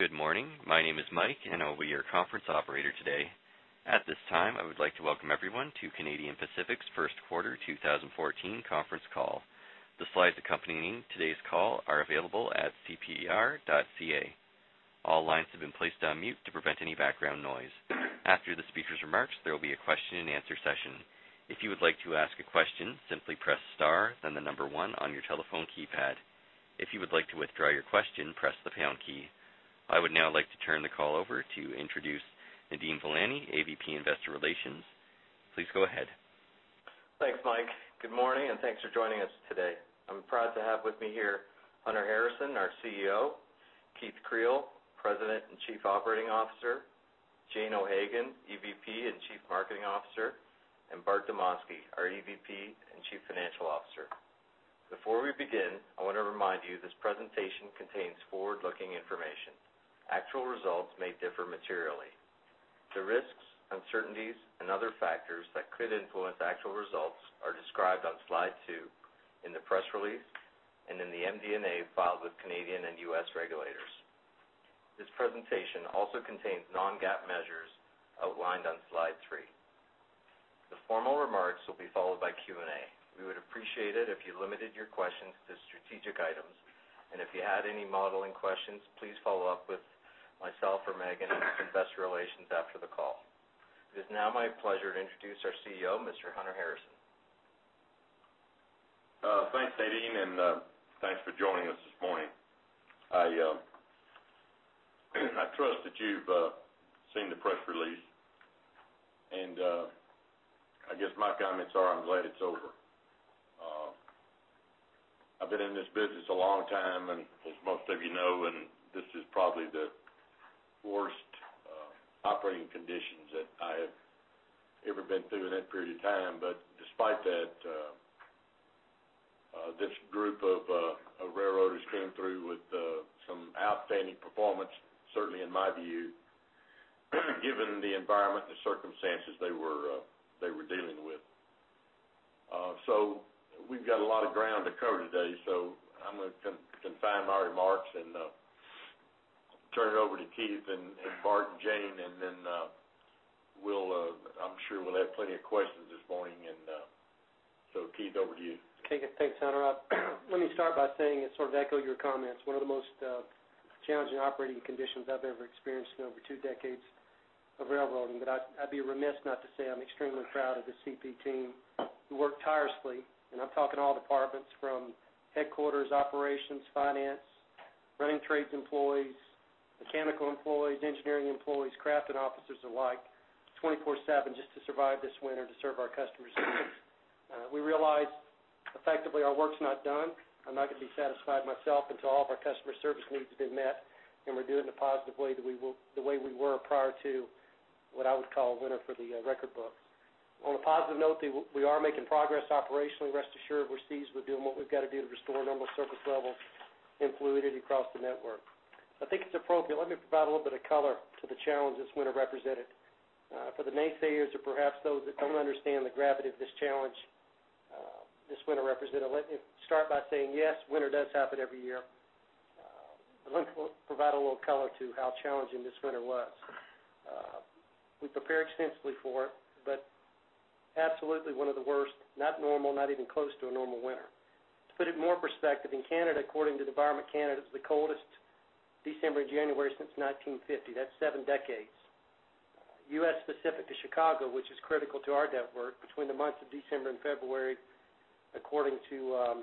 Good morning. My name is Mike, and I'll be your conference operator today. At this time, I would like to welcome everyone to Canadian Pacific's first quarter 2014 conference call. The slides accompanying today's call are available at cpr.ca. All lines have been placed on mute to prevent any background noise. After the speaker's remarks, there will be a question-and-answer session. If you would like to ask a question, simply press star, then the number one on your telephone keypad. If you would like to withdraw your question, press the pound key. I would now like to turn the call over to introduce Nadeem Velani, AVP Investor Relations. Please go ahead. Thanks, Mike. Good morning, and thanks for joining us today. I'm proud to have with me here Hunter Harrison, our CEO, Keith Creel, President and Chief Operating Officer, Jane O'Hagan, EVP and Chief Marketing Officer, and Before we begin, I want to remind you this presentation contains forward-looking information. Actual results may differ materially. The risks, uncertainties, and other factors that could influence actual results are described on slide two in the press release and in the MD&A filed with Canadian and U.S. regulators. This presentation also contains non-GAAP measures outlined on slide three. The formal remarks will be followed by Q&A. We would appreciate it if you limited your questions to strategic items, and if you had any modeling questions, please follow up with myself or Maeghan at Investor Relations after the call. It is now my pleasure to introduce our CEO, Mr. Hunter Harrison. Thanks, Nadeem, and thanks for joining us this morning. I trust that you've seen the press release, and I guess my comments are I'm glad it's over. I've been in this business a long time, and as most of you know, this is probably the worst operating conditions that I have ever been through in that period of time. But despite that, this group of railroaders came through with some outstanding performance, certainly in my view, given the environment and the circumstances they were dealing with. So we've got a lot of ground to cover today, so I'm going to confine my remarks and turn it over to Keith and Bart and Jane, and then I'm sure we'll have plenty of questions this morning. So Keith, over to you. Thanks, Hunter. Let me start by saying it sort of echoed your comments. One of the most challenging operating conditions I've ever experienced in over two decades of railroading. But I'd be remiss not to say I'm extremely proud of the CP team who worked tirelessly, and I'm talking all departments from headquarters, operations, finance, running trades employees, mechanical employees, engineering employees, craft officers alike, 24/7 just to survive this winter, to serve our customers' needs. We realize effectively our work's not done. I'm not going to be satisfied myself until all of our customer service needs have been met, and we're doing it in a positive way the way we were prior to what I would call a winter for the record books. On a positive note, we are making progress operationally. Rest assured, we're seized with doing what we've got to do to restore normal service levels and fluidity across the network. I think it's appropriate, let me provide a little bit of color to the challenge this winter represented. For the naysayers or perhaps those that don't understand the gravity of this challenge this winter represented, let me start by saying yes, winter does happen every year. Let me provide a little bit of color to how challenging this winter was. We prepared extensively for it, but absolutely one of the worst, not normal, not even close to a normal winter. To put it in more perspective, in Canada, according to Environment Canada, it was the coldest December and January since 1950. That's seven decades. U.S. Specific to Chicago, which is critical to our network, between the months of December and February, according to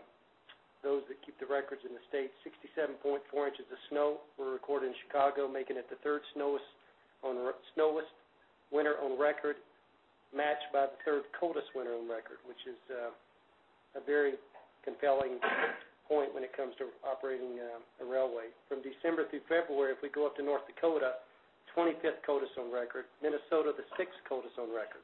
those that keep the records in the state, 67.4 inches of snow were recorded in Chicago, making it the third snowiest winter on record, matched by the third coldest winter on record, which is a very compelling point when it comes to operating a railway. From December through February, if we go up to North Dakota, 25th coldest on record. Minnesota, the sixth coldest on record.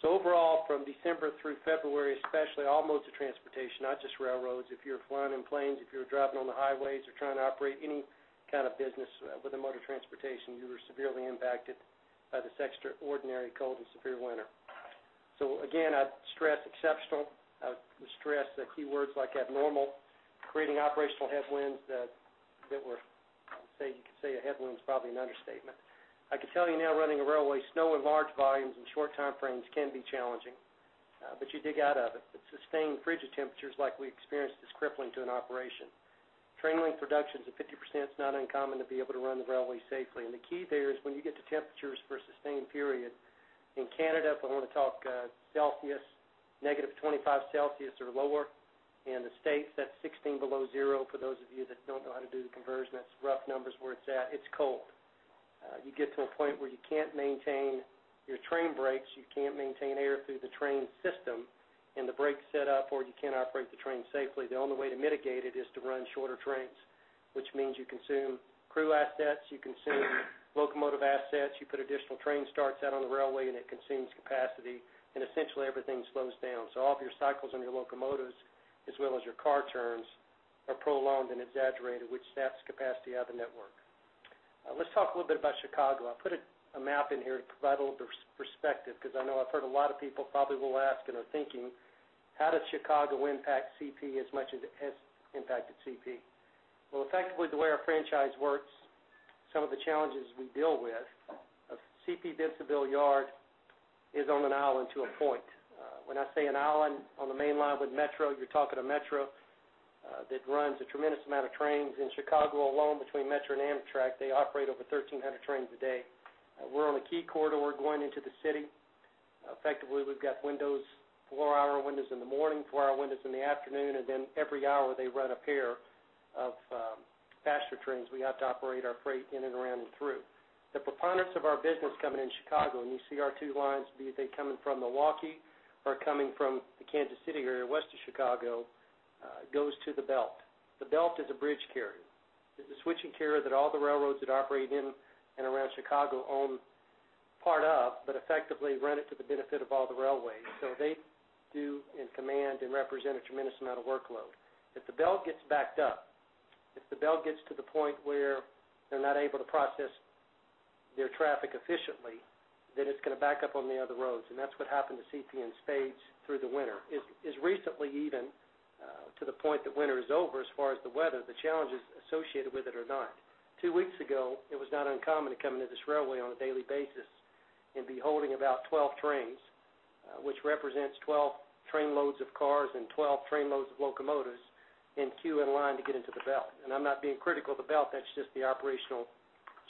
So overall, from December through February, especially all modes of transportation, not just railroads, if you're flying in planes, if you're driving on the highways, or trying to operate any kind of business with a mode of transportation, you were severely impacted by this extraordinary cold and severe winter. So again, I'd stress exceptional. I would stress keywords like abnormal, creating operational headwinds that were, I'd say you could say, a headwind's probably an understatement. I could tell you now, running a railway, snow in large volumes and short time frames can be challenging, but you dig out of it. But sustained frigid temperatures like we experienced is crippling to an operation. Train length reductions of 50% is not uncommon to be able to run the railway safely. And the key there is when you get to temperatures for a sustained period, in Canada, if I want to talk Celsius, -25 degrees Celsius or lower, in the states, that's 16 below zero. For those of you that don't know how to do the conversions, that's rough numbers where it's at. It's cold. You get to a point where you can't maintain your train brakes, you can't maintain air through the train system and the brake setup, or you can't operate the train safely. The only way to mitigate it is to run shorter trains, which means you consume crew assets, you consume locomotive assets, you put additional train starts out on the railway, and it consumes capacity, and essentially everything slows down. So all of your cycles on your locomotives, as well as your car turns, are prolonged and exaggerated, which saps capacity out of the network. Let's talk a little bit about Chicago. I put a map in here to provide a little perspective because I know I've heard a lot of people probably will ask and are thinking, "How does Chicago impact CP as much as it has impacted CP?" Well, effectively, the way our franchise works, some of the challenges we deal with, a CP Bensenville yard is on an island to a point. When I say an island on the main line with Metra, you're talking a Metra that runs a tremendous amount of trains. In Chicago alone, between Metra and Amtrak, they operate over 1,300 trains a day. We're on a key corridor going into the city. Effectively, we've got four-hour windows in the morning, four-hour windows in the afternoon, and then every hour they run a pair of faster trains we have to operate our freight in and around and through. The preponderance of our business coming in Chicago, and you see our two lines, be it coming from Milwaukee or coming from the Kansas City area, west of Chicago, goes to the belt. The belt is a bridge carrier. It's a switching carrier that all the railroads that operate in and around Chicago own part of, but effectively run it to the benefit of all the railways. So they do and command and represent a tremendous amount of workload. If the belt gets backed up, if the belt gets to the point where they're not able to process their traffic efficiently, then it's going to back up on the other roads. And that's what happened to CP in spades through the winter. Recently, even to the point that winter is over as far as the weather, the challenges associated with it are not. Two weeks ago, it was not uncommon to come into this railway on a daily basis and be holding about 12 trains, which represents 12 train loads of cars and 12 train loads of locomotives in queue and line to get into the belt. I'm not being critical of the belt, that's just the operational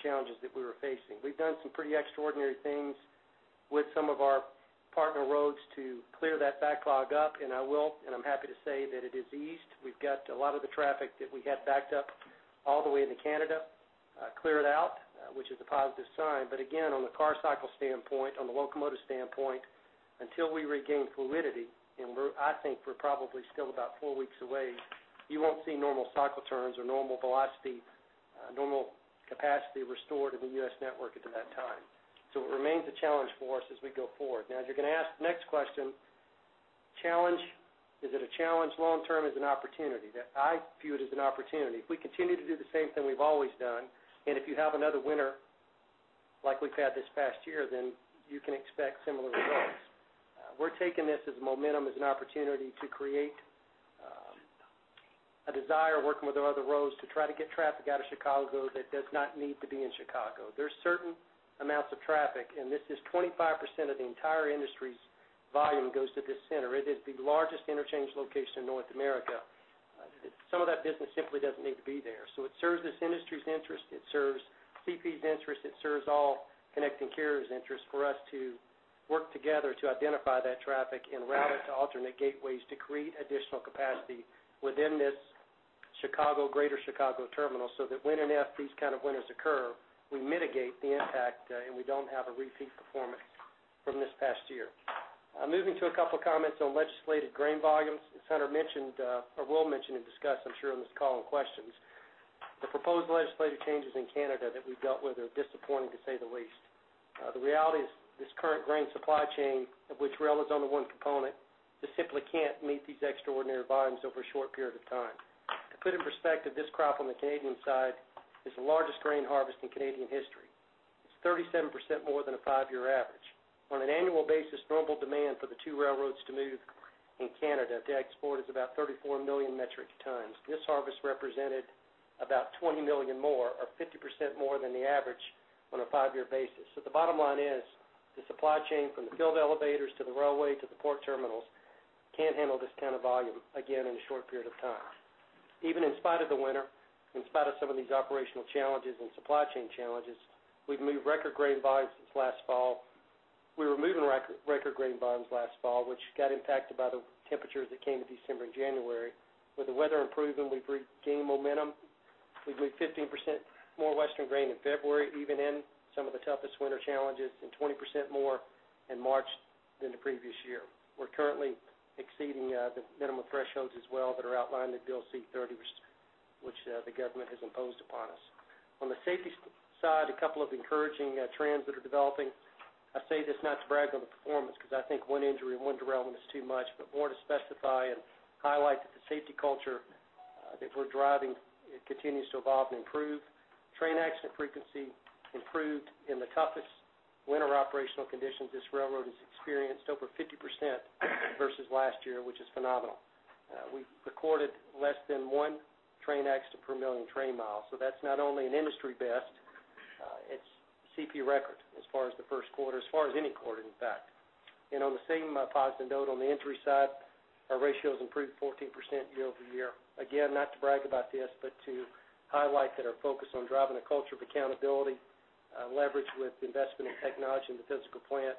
challenges that we were facing. We've done some pretty extraordinary things with some of our partner roads to clear that backlog up, and I'm happy to say that it is eased. We've got a lot of the traffic that we had backed up all the way into Canada cleared out, which is a positive sign. But again, on the car cycle standpoint, on the locomotive standpoint, until we regain fluidity, and I think we're probably still about four weeks away, you won't see normal cycle turns or normal velocity, normal capacity restored in the U.S. network into that time. So it remains a challenge for us as we go forward. Now, you're going to ask the next question, "Challenge, is it a challenge long-term? Is it an opportunity?" I view it as an opportunity. If we continue to do the same thing we've always done, and if you have another winter like we've had this past year, then you can expect similar results. We're taking this as momentum, as an opportunity to create a desire, working with our other roads, to try to get traffic out of Chicago that does not need to be in Chicago. There's certain amounts of traffic, and this is 25% of the entire industry's volume that goes to this center. It is the largest interchange location in North America. Some of that business simply doesn't need to be there. So it serves this industry's interest, it serves CP's interest, it serves all connecting carriers' interests for us to work together to identify that traffic and route it to alternate gateways to create additional capacity within this greater Chicago terminal so that when and if these kind of winters occur, we mitigate the impact and we don't have a repeat performance from this past year. Moving to a couple of comments on legislated grain volumes. As Hunter mentioned or will mention and discuss, I'm sure, on this call and questions, the proposed legislative changes in Canada that we've dealt with are disappointing, to say the least. The reality is this current grain supply chain, of which rail is only one component, just simply can't meet these extraordinary volumes over a short period of time. To put in perspective, this crop on the Canadian side is the largest grain harvest in Canadian history. It's 37% more than a five-year average. On an annual basis, normal demand for the two railroads to move in Canada to export is about 34 million metric tons. This harvest represented about 20 million more, or 50% more than the average on a five-year basis. So the bottom line is the supply chain from the field elevators to the railway to the port terminals can't handle this kind of volume, again, in a short period of time. Even in spite of the winter, in spite of some of these operational challenges and supply chain challenges, we've moved record grain volumes since last fall. We were moving record grain volumes last fall, which got impacted by the temperatures that came in December and January. With the weather improving, we've regained momentum. We've moved 15% more western grain in February, even in some of the toughest winter challenges, and 20% more in March than the previous year. We're currently exceeding the minimum thresholds as well that are outlined in Bill C-30, which the government has imposed upon us. On the safety side, a couple of encouraging trends that are developing. I say this not to brag on the performance because I think one injury and one derailment is too much, but more to specify and highlight that the safety culture that we're driving continues to evolve and improve. Train accident frequency improved. In the toughest winter operational conditions, this railroad has experienced over 50% versus last year, which is phenomenal. We recorded less than 1 train accident per 1,000,000 train miles. So that's not only an industry best, it's CP record as far as the first quarter, as far as any quarter, in fact. And on the same positive note, on the injury side, our ratios improved 14% year-over-year. Again, not to brag about this, but to highlight that our focus on driving a culture of accountability, leverage with investment in technology in the physical plant,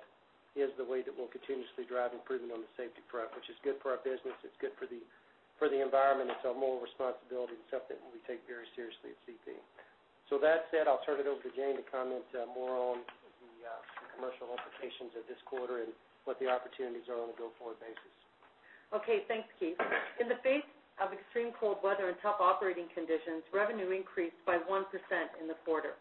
is the way that we'll continuously drive improvement on the safety front, which is good for our business, it's good for the environment, it's our moral responsibility, and something we take very seriously at CP. So that said, I'll turn it over to Jane to comment more on the commercial implications of this quarter and what the opportunities are on a go-forward basis. Okay, thanks, Keith. In the face of extreme cold weather and tough operating conditions, revenue increased by 1% in the quarter.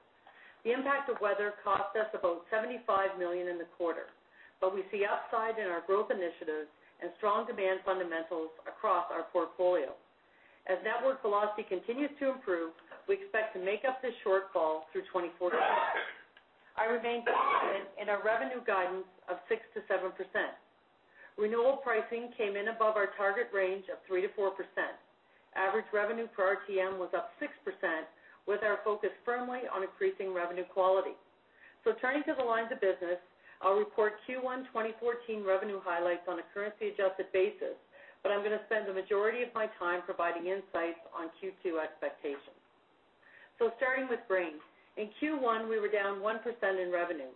The impact of weather cost us about $75 million in the quarter, but we see upside in our growth initiatives and strong demand fundamentals across our portfolio. As network velocity continues to improve, we expect to make up this shortfall through 2014. I remain confident in our revenue guidance of 6%-7%. Renewable pricing came in above our target range of 3%-4%. Average revenue per RTM was up 6% with our focus firmly on increasing revenue quality. So turning to the lines of business, I'll report Q1 2014 revenue highlights on a currency-adjusted basis, but I'm going to spend the majority of my time providing insights on Q2 expectations. So starting with grain, in Q1 we were down 1% in revenue.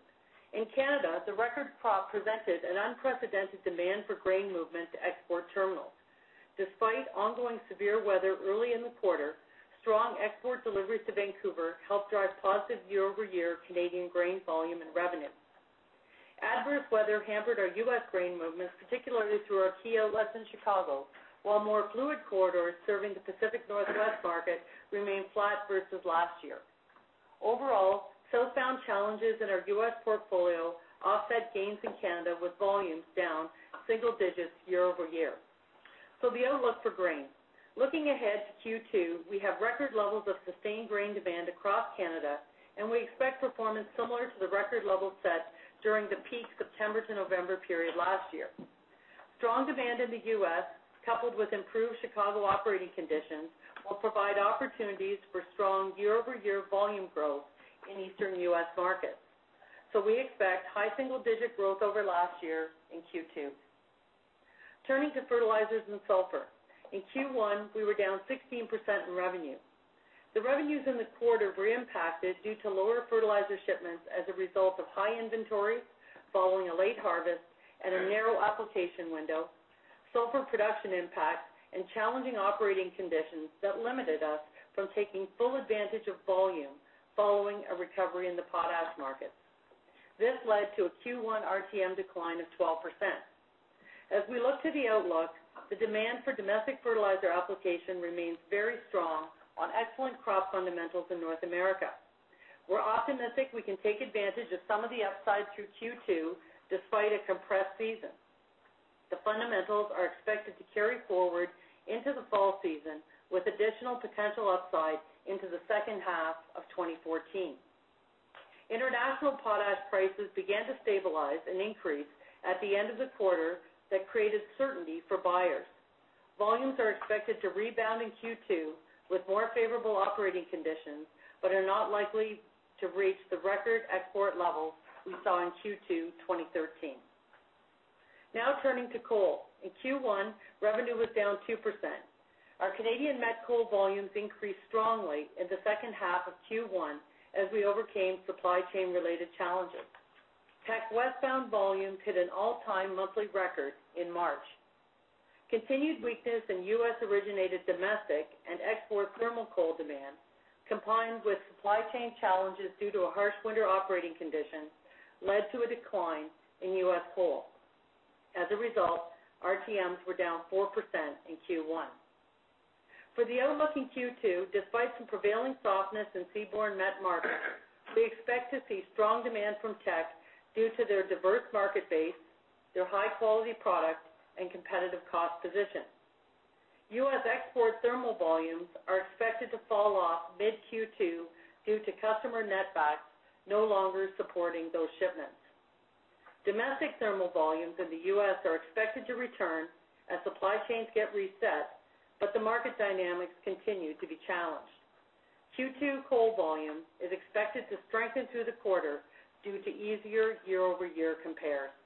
In Canada, the record crop presented an unprecedented demand for grain movement to export terminals. Despite ongoing severe weather early in the quarter, strong export deliveries to Vancouver helped drive positive year-over-year Canadian grain volume and revenue. Adverse weather hampered our U.S. grain movements, particularly through our Key Ellis in Chicago, while more fluid corridors serving the Pacific Northwest market remained flat versus last year. Overall, southbound challenges in our U.S. portfolio offset gains in Canada with volumes down single digits year-over-year. So the outlook for grain. Looking ahead to Q2, we have record levels of sustained grain demand across Canada, and we expect performance similar to the record levels set during the peak September to November period last year. Strong demand in the U.S., coupled with improved Chicago operating conditions, will provide opportunities for strong year-over-year volume growth in eastern U.S. markets. So we expect high single-digit growth over last year in Q2. Turning to fertilizers and sulfur. In Q1, we were down 16% in revenue. The revenues in the quarter were impacted due to lower fertilizer shipments as a result of high inventory following a late harvest and a narrow application window, sulfur production impact, and challenging operating conditions that limited us from taking full advantage of volume following a recovery in the potash markets. This led to a Q1 RTM decline of 12%. As we look to the outlook, the demand for domestic fertilizer application remains very strong on excellent crop fundamentals in North America. We're optimistic we can take advantage of some of the upside through Q2 despite a compressed season. The fundamentals are expected to carry forward into the fall season with additional potential upside into the second half of 2014. International potash prices began to stabilize and increase at the end of the quarter, that created certainty for buyers. Volumes are expected to rebound in Q2 with more favorable operating conditions, but are not likely to reach the record export levels we saw in Q2 2013. Now turning to coal. In Q1, revenue was down 2%. Our Canadian met coal volumes increased strongly in the second half of Q1 as we overcame supply chain-related challenges. Teck westbound volumes hit an all-time monthly record in March. Continued weakness in U.S.-originated domestic and export thermal coal demand, combined with supply chain challenges due to a harsh winter operating condition, led to a decline in U.S. coal. As a result, RTMs were down 4% in Q1. For the outlook in Q2, despite some prevailing softness in seaborne met markets, we expect to see strong demand from Teck due to their diverse market base, their high-quality product, and competitive cost position. U.S. export thermal volumes are expected to fall off mid-Q2 due to customer netbacks no longer supporting those shipments. Domestic thermal volumes in the U.S. are expected to return as supply chains get reset, but the market dynamics continue to be challenged. Q2 coal volume is expected to strengthen through the quarter due to easier year-over-year comparisons.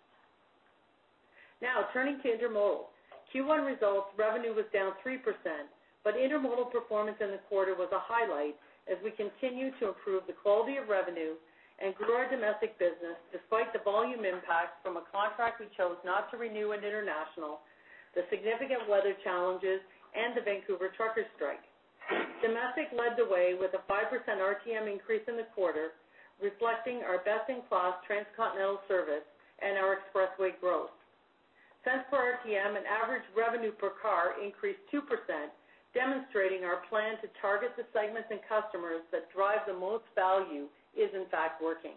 Now turning to intermodal. Q1 results, revenue was down 3%, but intermodal performance in the quarter was a highlight as we continue to improve the quality of revenue and grow our domestic business despite the volume impact from a contract we chose not to renew in international, the significant weather challenges, and the Vancouver trucker strike. Domestic led the way with a 5% RTM increase in the quarter, reflecting our best-in-class transcontinental service and our Expressway growth. Cents per RTM and average revenue per car increased 2%, demonstrating our plan to target the segments and customers that drive the most value is in fact working.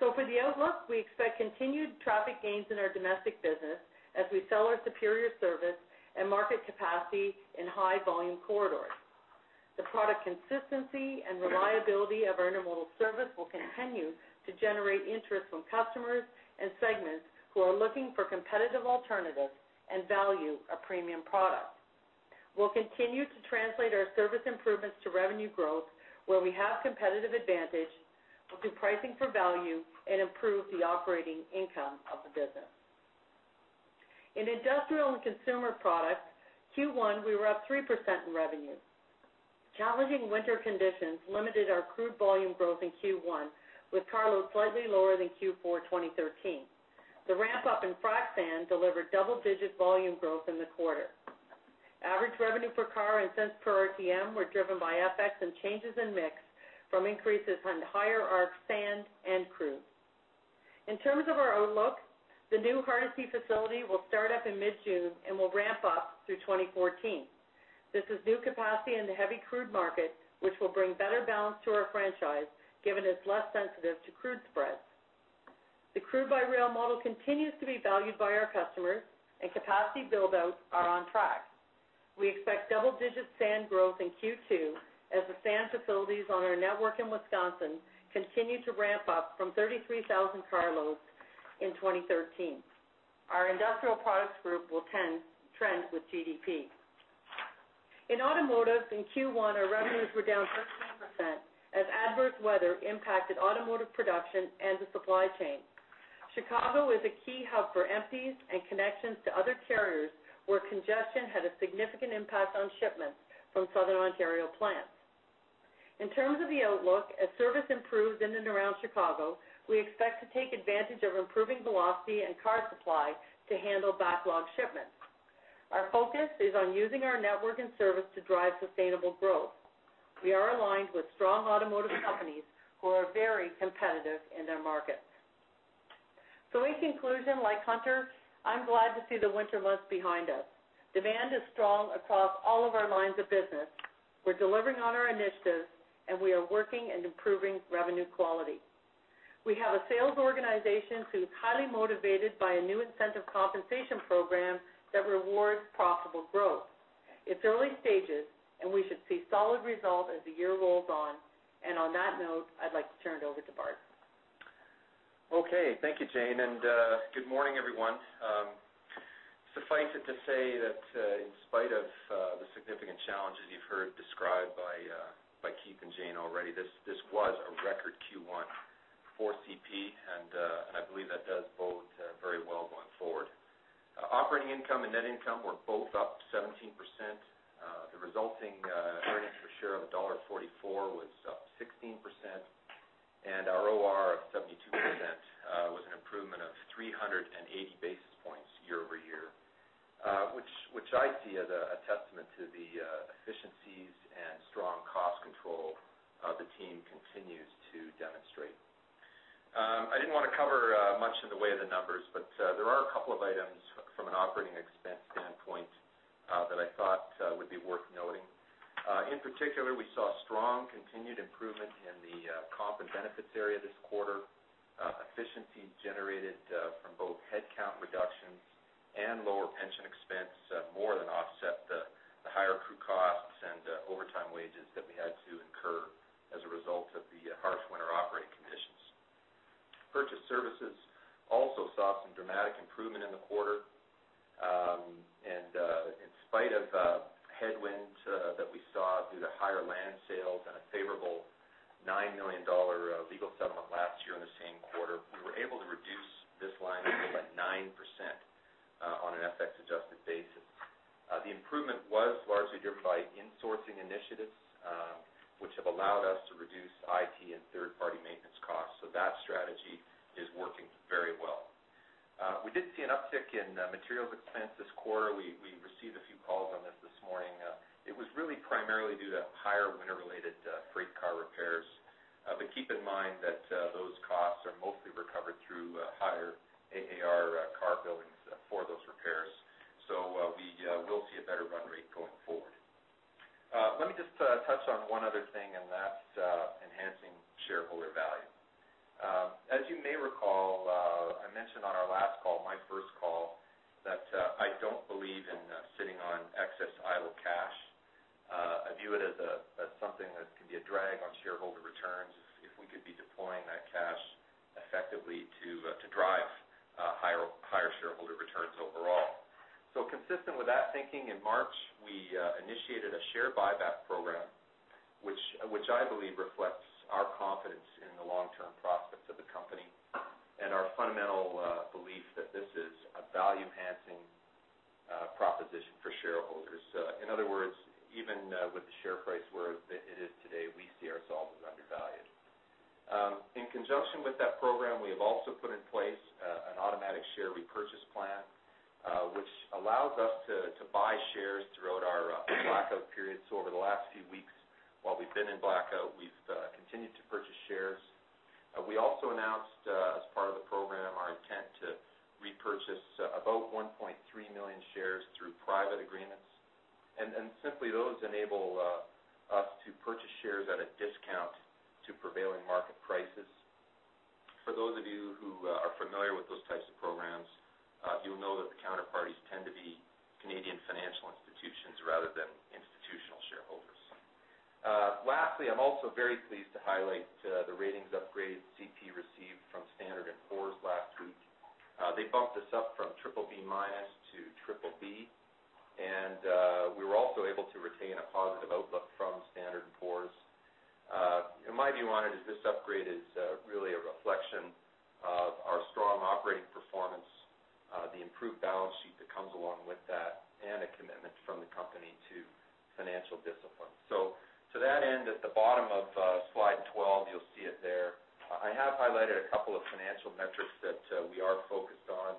So for the outlook, we expect continued traffic gains in our domestic business as we sell our superior service and market capacity in high-volume corridors. The product consistency and reliability of our intermodal service will continue to generate interest from customers and segments who are looking for competitive alternatives and value a premium product. We'll continue to translate our service improvements to revenue growth where we have competitive advantage, we'll do pricing for value, and improve the operating income of the business. In industrial and consumer products, Q1 we were up 3% in revenue. Challenging winter conditions limited our crude volume growth in Q1 with carloads slightly lower than Q4 2013. The ramp-up in frac sand delivered double-digit volume growth in the quarter. Average revenue per car and cents per RTM were driven by effects and changes in mix from increases on higher frac sand and crude. In terms of our outlook, the new Hardisty facility will start up in mid-June and will ramp up through 2014. This is new capacity in the heavy crude market, which will bring better balance to our franchise given it's less sensitive to crude spreads. The crude-by-rail model continues to be valued by our customers, and capacity buildouts are on track. We expect double-digit sand growth in Q2 as the sand facilities on our network in Wisconsin continue to ramp up from 33,000 carloads in 2013. Our industrial products group will trend with GDP. In automotive, in Q1 our revenues were down 13% as adverse weather impacted automotive production and the supply chain. Chicago is a key hub for empties and connections to other carriers where congestion had a significant impact on shipments from Southern Ontario plants. In terms of the outlook, as service improves in and around Chicago, we expect to take advantage of improving velocity and car supply to handle backlog shipments. Our focus is on using our network and service to drive sustainable growth. We are aligned with strong automotive companies who are very competitive in their markets. In conclusion, like Hunter, I'm glad to see the winter months behind us. Demand is strong across all of our lines of business. We're delivering on our initiatives, and we are working and improving revenue quality. We have a sales organization who's highly motivated by a new incentive compensation program that rewards profitable growth. It's early stages, and we should see solid results as the year rolls on. On that note, I'd like to turn it over to Bart. Okay, thank you, Jane. Good morning, everyone. It's fitting to say that in spite of the significant challenges you've heard described by Keith and Jane already, this was a record Q1 for CP, and I believe that does bode very well going forward. Operating income and net income were both up 17%. The resulting earnings per share of $1.44 was up 16%, and our OR of 72% was an improvement of 380 basis points year-over-year, which I see as a testament to the efficiencies and strong cost control the team continues to demonstrate. I didn't want to cover much in the way of the numbers, but there are a couple of items from an operating expense standpoint that I thought would be worth noting. In particular, we saw strong continued improvement in the comp and benefits area this quarter. Efficiencies generated from both headcount reductions and lower pension expense more than offset the higher crew costs and overtime wages that we had to incur as a result of the harsh winter operating conditions. Purchased services also saw some dramatic improvement in the quarter. In spite of headwinds that we saw due to higher land sales and a favorable $9 million legal settlement last year in the same quarter, we were able to reduce this line of work by 9% on an FX-adjusted basis. The improvement was largely driven by insourcing initiatives, which have allowed us to reduce IT and third-party maintenance costs. That strategy is working very well. We did see an uptick in materials expense this quarter. We received a few calls on this this morning. It was really primarily due to higher winter-related freight car repairs. But keep in mind that those costs are mostly recovered through higher AAR car billings for those repairs. So we will see a better run rate going forward. Let me just touch on one other thing, and that's enhancing shareholder value. As you may recall, I mentioned on our last call, my first call, that I don't believe in sitting on excess idle cash. I view it as something that could be a drag on shareholder returns if we could be deploying that cash effectively to drive higher shareholder returns overall. So consistent with that thinking, in March, we initiated a share buyback program, which I believe reflects our confidence in the long-term prospects of the company and our fundamental belief that this is a value-enhancing proposition for shareholders. In other words, even with the share price where it is today, we see ourselves as undervalued. In conjunction with that program, we have also put in place an automatic share repurchase plan, which allows us to buy shares throughout our blackout period. So over the last few weeks, while we've been in blackout, we've continued to purchase shares. We also announced, as part of the program, our intent to repurchase about 1.3 million shares through private agreements. Simply, those enable us to purchase shares at a discount to prevailing market prices. For those of you who are familiar with those types of programs, you'll know that the counterparties tend to be Canadian financial institutions rather than institutional shareholders. Lastly, I'm also very pleased to highlight the ratings upgrade CP received from Standard & Poor's last week. They bumped us up from BBB- to BBB. We were also able to retain a positive outlook from Standard & Poor's. In my view on it, this upgrade is really a reflection of our strong operating performance, the improved balance sheet that comes along with that, and a commitment from the company to financial discipline. So to that end, at the bottom of slide 12, you'll see it there. I have highlighted a couple of financial metrics that we are focused on.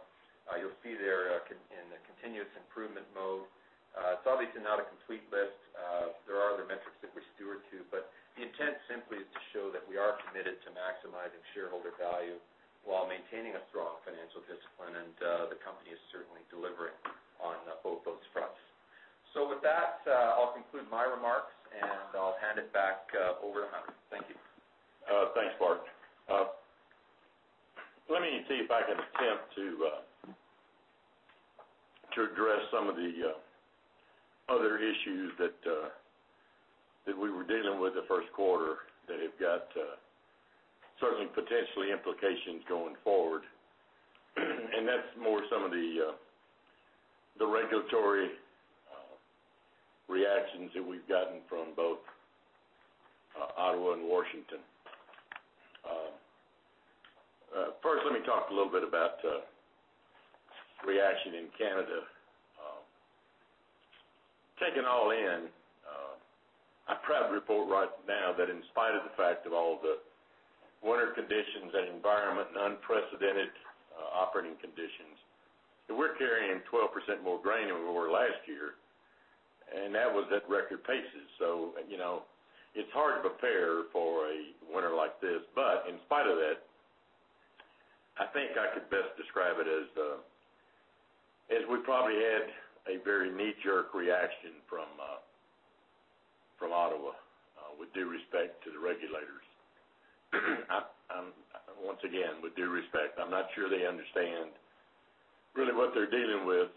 You'll see there in the continuous improvement mode. It's obviously not a complete list. There are other metrics that we steward to, but the intent simply is to show that we are committed to maximizing shareholder value while maintaining a strong financial discipline, and the company is certainly delivering on both those fronts. So with that, I'll conclude my remarks, and I'll hand it back over to Hunter. Thank you. Thanks, Bart. Let me see if I can attempt to address some of the other issues that we were dealing with the first quarter that have got certainly potentially implications going forward. That's more some of the regulatory reactions that we've gotten from both Ottawa and Washington. First, let me talk a little bit about reaction in Canada. Taking all in, I'm proud to report right now that in spite of the fact of all the winter conditions and environment and unprecedented operating conditions, we're carrying 12% more grain than we were last year, and that was at record paces. So it's hard to prepare for a winter like this. But in spite of that, I think I could best describe it as we probably had a very knee-jerk reaction from Ottawa with due respect to the regulators. Once again, with due respect, I'm not sure they understand really what they're dealing with.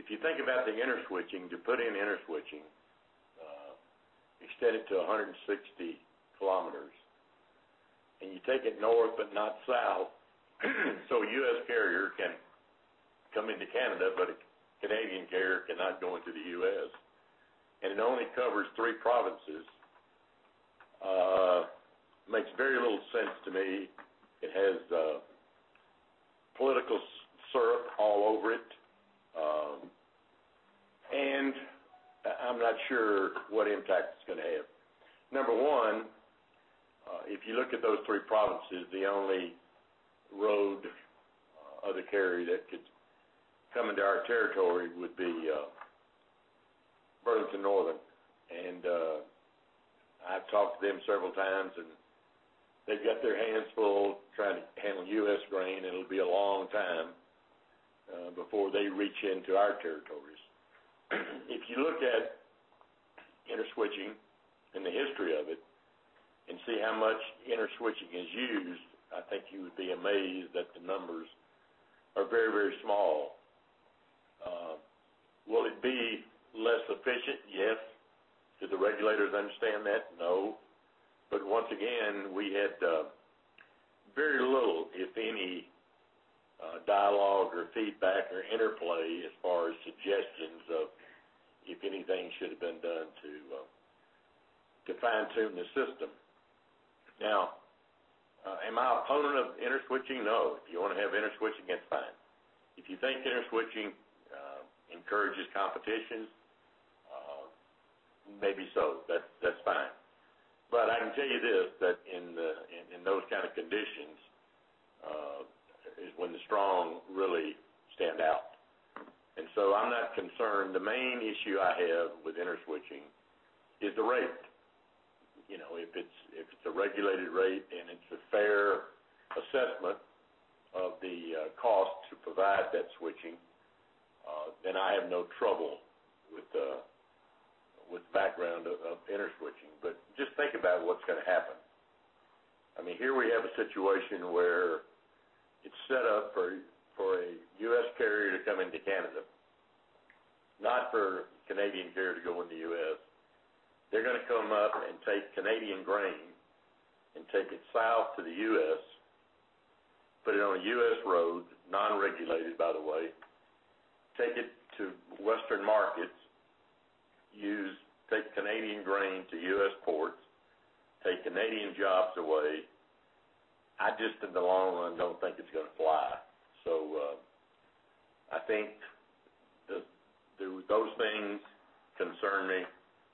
If you think about the interswitching, to put in interswitching, extend it to 160 km, and you take it north but not south so a U.S. carrier can come into Canada, but a Canadian carrier cannot go into the U.S. and it only covers three provinces, it makes very little sense to me. It has political syrup all over it, and I'm not sure what impact it's going to have. Number one, if you look at those three provinces, the only road other carrier that could come into our territory would be Burlington Northern. And I've talked to them several times, and they've got their hands full trying to handle U.S. grain, and it'll be a long time before they reach into our territories. If you look at interswitching and the history of it and see how much interswitching is used, I think you would be amazed that the numbers are very, very small. Will it be less efficient? Yes. Do the regulators understand that? No. But once again, we had very little, if any, dialogue or feedback or interplay as far as suggestions of if anything should have been done to fine-tune the system. Now, am I an opponent of interswitching? No. If you want to have interswitching, that's fine. If you think interswitching encourages competition, maybe so. That's fine. But I can tell you this, that in those kind of conditions is when the strong really stand out. And so I'm not concerned. The main issue I have with interswitching is the rate. If it's a regulated rate and it's a fair assessment of the cost to provide that switching, then I have no trouble with the background of interswitching. But just think about what's going to happen. I mean, here we have a situation where it's set up for a U.S. carrier to come into Canada, not for a Canadian carrier to go into the U.S. They're going to come up and take Canadian grain and take it south to the U.S., put it on a U.S. road, non-regulated, by the way, take it to Western markets, take Canadian grain to U.S. ports, take Canadian jobs away. I just, in the long run, don't think it's going to fly. So I think those things concern me.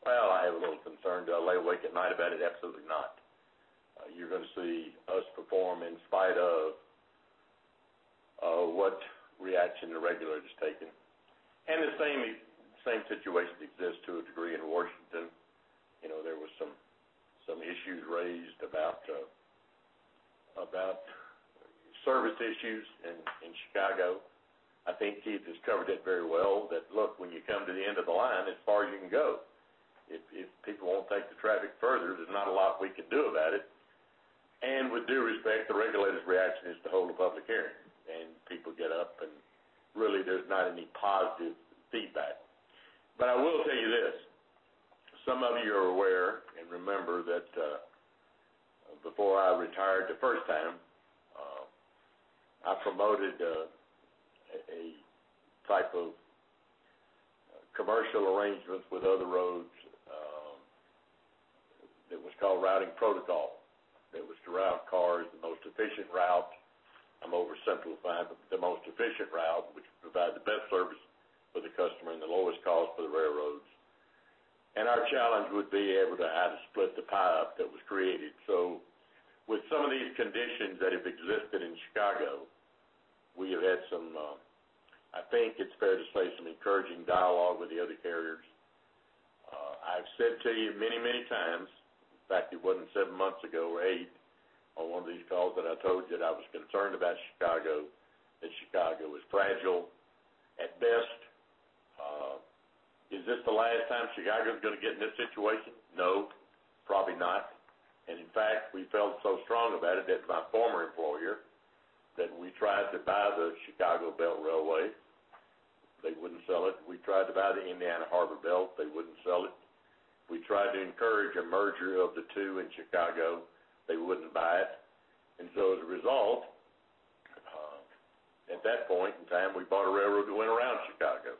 Well, I have a little concern. Do I lay awake at night about it? Absolutely not. You're going to see us perform in spite of what reaction the regulators taking. And the same situation exists to a degree in Washington. There were some issues raised about service issues in Chicago. I think Keith has covered it very well, that, "Look, when you come to the end of the line, as far as you can go. If people won't take the traffic further, there's not a lot we can do about it." And with due respect, the regulators' reaction is to hold a public hearing, and people get up, and really, there's not any positive feedback. But I will tell you this. Some of you are aware and remember that before I retired the first time, I promoted a type of commercial arrangement with other roads that was called routing protocol, that was to route cars, the most efficient route. I'm oversimplifying, but the most efficient route, which provides the best service for the customer and the lowest cost for the railroads. Our challenge would be able to how to split the pie up that was created. So with some of these conditions that have existed in Chicago, we have had some, I think it's fair to say, some encouraging dialogue with the other carriers. I've said to you many, many times, in fact, it wasn't 7 months ago or 8 on one of these calls that I told you that I was concerned about Chicago, that Chicago was fragile at best. Is this the last time Chicago's going to get in this situation? No, probably not. In fact, we felt so strong about it that my former employer, that we tried to buy the Belt Railway Company of Chicago. They wouldn't sell it. We tried to buy the Indiana Harbor Belt Railroad. They wouldn't sell it. We tried to encourage a merger of the two in Chicago. They wouldn't buy it. So as a result, at that point in time, we bought a railroad that went around Chicago,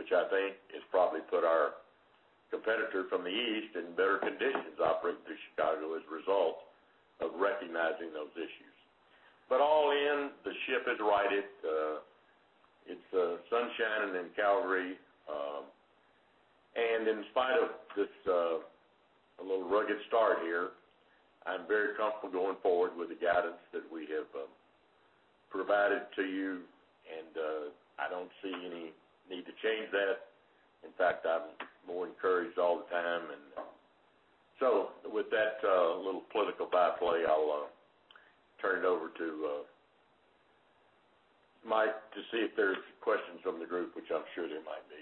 which I think has probably put our competitor from the east in better conditions operating through Chicago as a result of recognizing those issues. All in, the ship is righted. It's sunshine and then Calgary. In spite of this, a little rugged start here, I'm very comfortable going forward with the guidance that we have provided to you, and I don't see any need to change that. In fact, I'm more encouraged all the time. So with that little political byplay, I'll turn it over to Mike to see if there's questions from the group, which I'm sure there might be.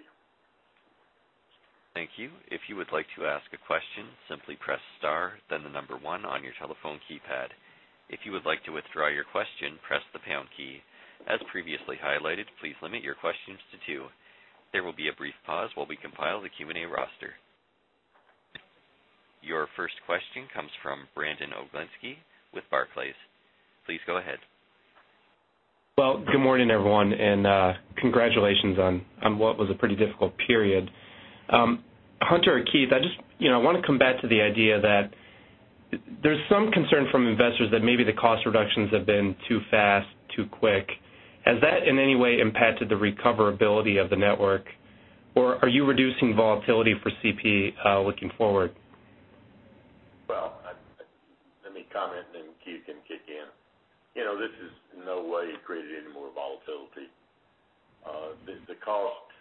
Thank you. If you would like to ask a question, simply press star, then the number one on your telephone keypad. If you would like to withdraw your question, press the pound key. As previously highlighted, please limit your questions to two. There will be a brief pause while we compile the Q&A roster. Your first question comes from Brandon Oglenski with Barclays. Please go ahead. Well, good morning, everyone, and congratulations on what was a pretty difficult period. Hunter or Keith, I just want to come back to the idea that there's some concern from investors that maybe the cost reductions have been too fast, too quick. Has that in any way impacted the recoverability of the network, or are you reducing volatility for CP looking forward? Well, let me comment, and then Keith can kick in. This is in no way created any more volatility. The cost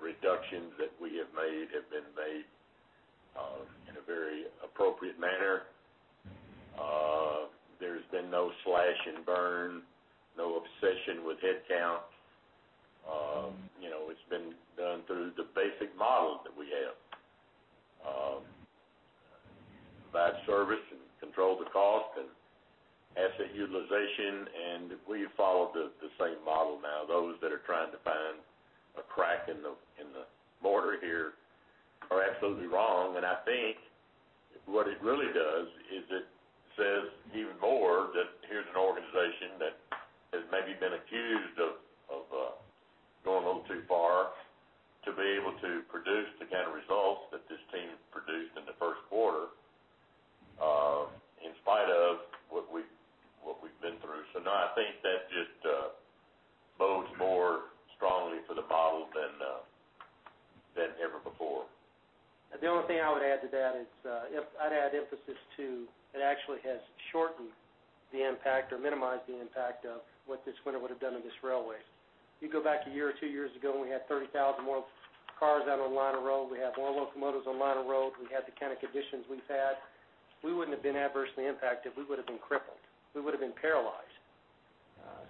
reductions that we have made have been made in a very appropriate manner. There's been no slash and burn, no obsession with headcount. It's been done through the basic model that we have, by service and control the cost and asset utilization. And we follow the same model now. Those that are trying to find a crack in the mortar here are absolutely wrong. And I think what it really does is it says even more that here's an organization that has maybe been accused of going a little too far to be able to produce the kind of results that this team produced in the first quarter in spite of what we've been through. So no, I think that just bodes more strongly for the model than ever before. The only thing I would add to that is I'd add emphasis to it actually has shortened the impact or minimized the impact of what this winter would have done to this railway. You go back a year or two years ago, and we had 30,000 more cars out on line of road. We had more locomotives on line of road. We had the kind of conditions we've had. We wouldn't have been adversely impacted. We would have been crippled. We would have been paralyzed.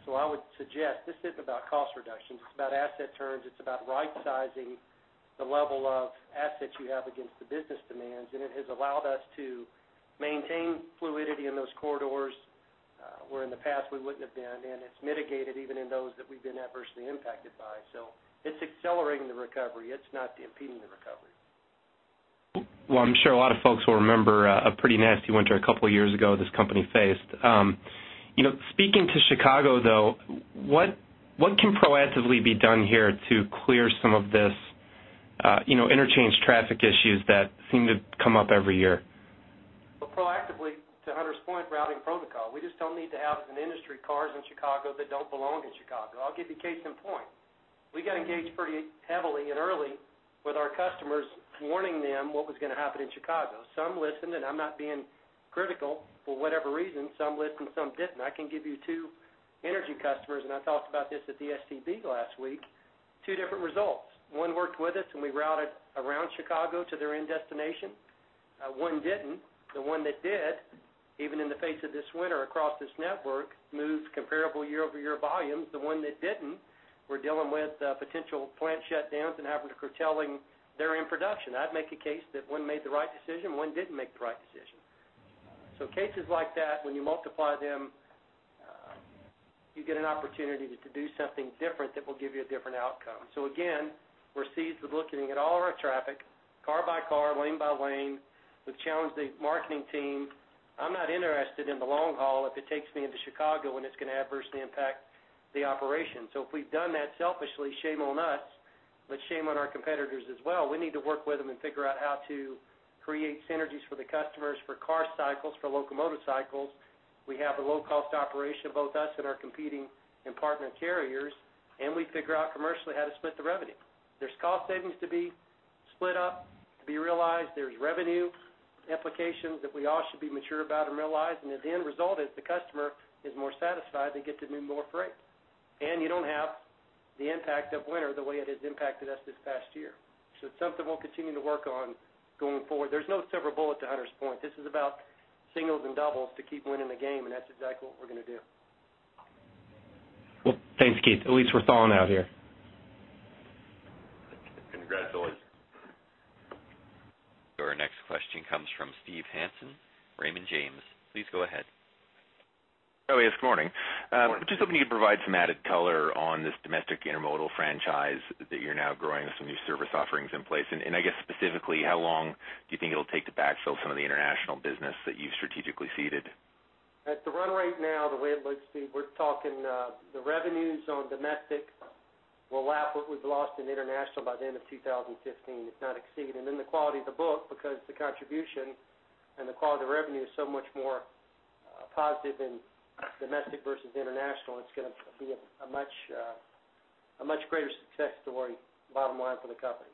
So I would suggest this isn't about cost reductions. It's about asset turns. It's about right-sizing the level of assets you have against the business demands. And it has allowed us to maintain fluidity in those corridors where in the past we wouldn't have been. And it's mitigated even in those that we've been adversely impacted by. So it's accelerating the recovery. It's not impeding the recovery. Well, I'm sure a lot of folks will remember a pretty nasty winter a couple of years ago this company faced. Speaking to Chicago, though, what can proactively be done here to clear some of this interchange traffic issues that seem to come up every year? Well, proactively, to Hunter's point, routing protocol. We just don't need to have, as an industry, cars in Chicago that don't belong in Chicago. I'll give you case in point. We got engaged pretty heavily and early with our customers, warning them what was going to happen in Chicago. Some listened, and I'm not being critical for whatever reason. Some listened. Some didn't. I can give you two energy customers, and I talked about this at the STB last week, two different results. One worked with us, and we routed around Chicago to their end destination. One didn't. The one that did, even in the face of this winter across this network, moved comparable year-over-year volumes. The one that didn't, we're dealing with potential plant shutdowns and having to curtail their end production. I'd make a case that one made the right decision. One didn't make the right decision. So cases like that, when you multiply them, you get an opportunity to do something different that will give you a different outcome. So again, we're seized with looking at all our traffic, car by car, lane by lane. We've challenged the marketing team. I'm not interested in the long haul if it takes me into Chicago and it's going to adversely impact the operation. So if we've done that selfishly, shame on us, but shame on our competitors as well. We need to work with them and figure out how to create synergies for the customers, for car cycles, for locomotive cycles. We have a low-cost operation, both us and our competing and partner carriers, and we figure out commercially how to split the revenue. There's cost savings to be split up, to be realized. There's revenue implications that we all should be mature about and realize. The end result is the customer is more satisfied. They get to do more freight. And you don't have the impact of winter the way it has impacted us this past year. So it's something we'll continue to work on going forward. There's no silver bullet to Hunter's point. This is about singles and doubles to keep winning the game, and that's exactly what we're going to do. Well, thanks, Keith Creel, we're falling out here. Congratulations. Your next question comes from Steve Hansen. Raymond James, please go ahead. Oh, yes. Good morning. I just hope you could provide some added color on this domestic intermodal franchise that you're now growing with some new service offerings in place. And I guess specifically, how long do you think it'll take to backfill some of the international business that you've strategically seeded? At the run rate now, the way it looks, Steve, we're talking the revenues on domestic will lap what we've lost in international by the end of 2015, if not exceed. Then the quality of the book because the contribution and the quality of the revenue is so much more positive in domestic versus international, it's going to be a much greater success story, bottom line, for the company.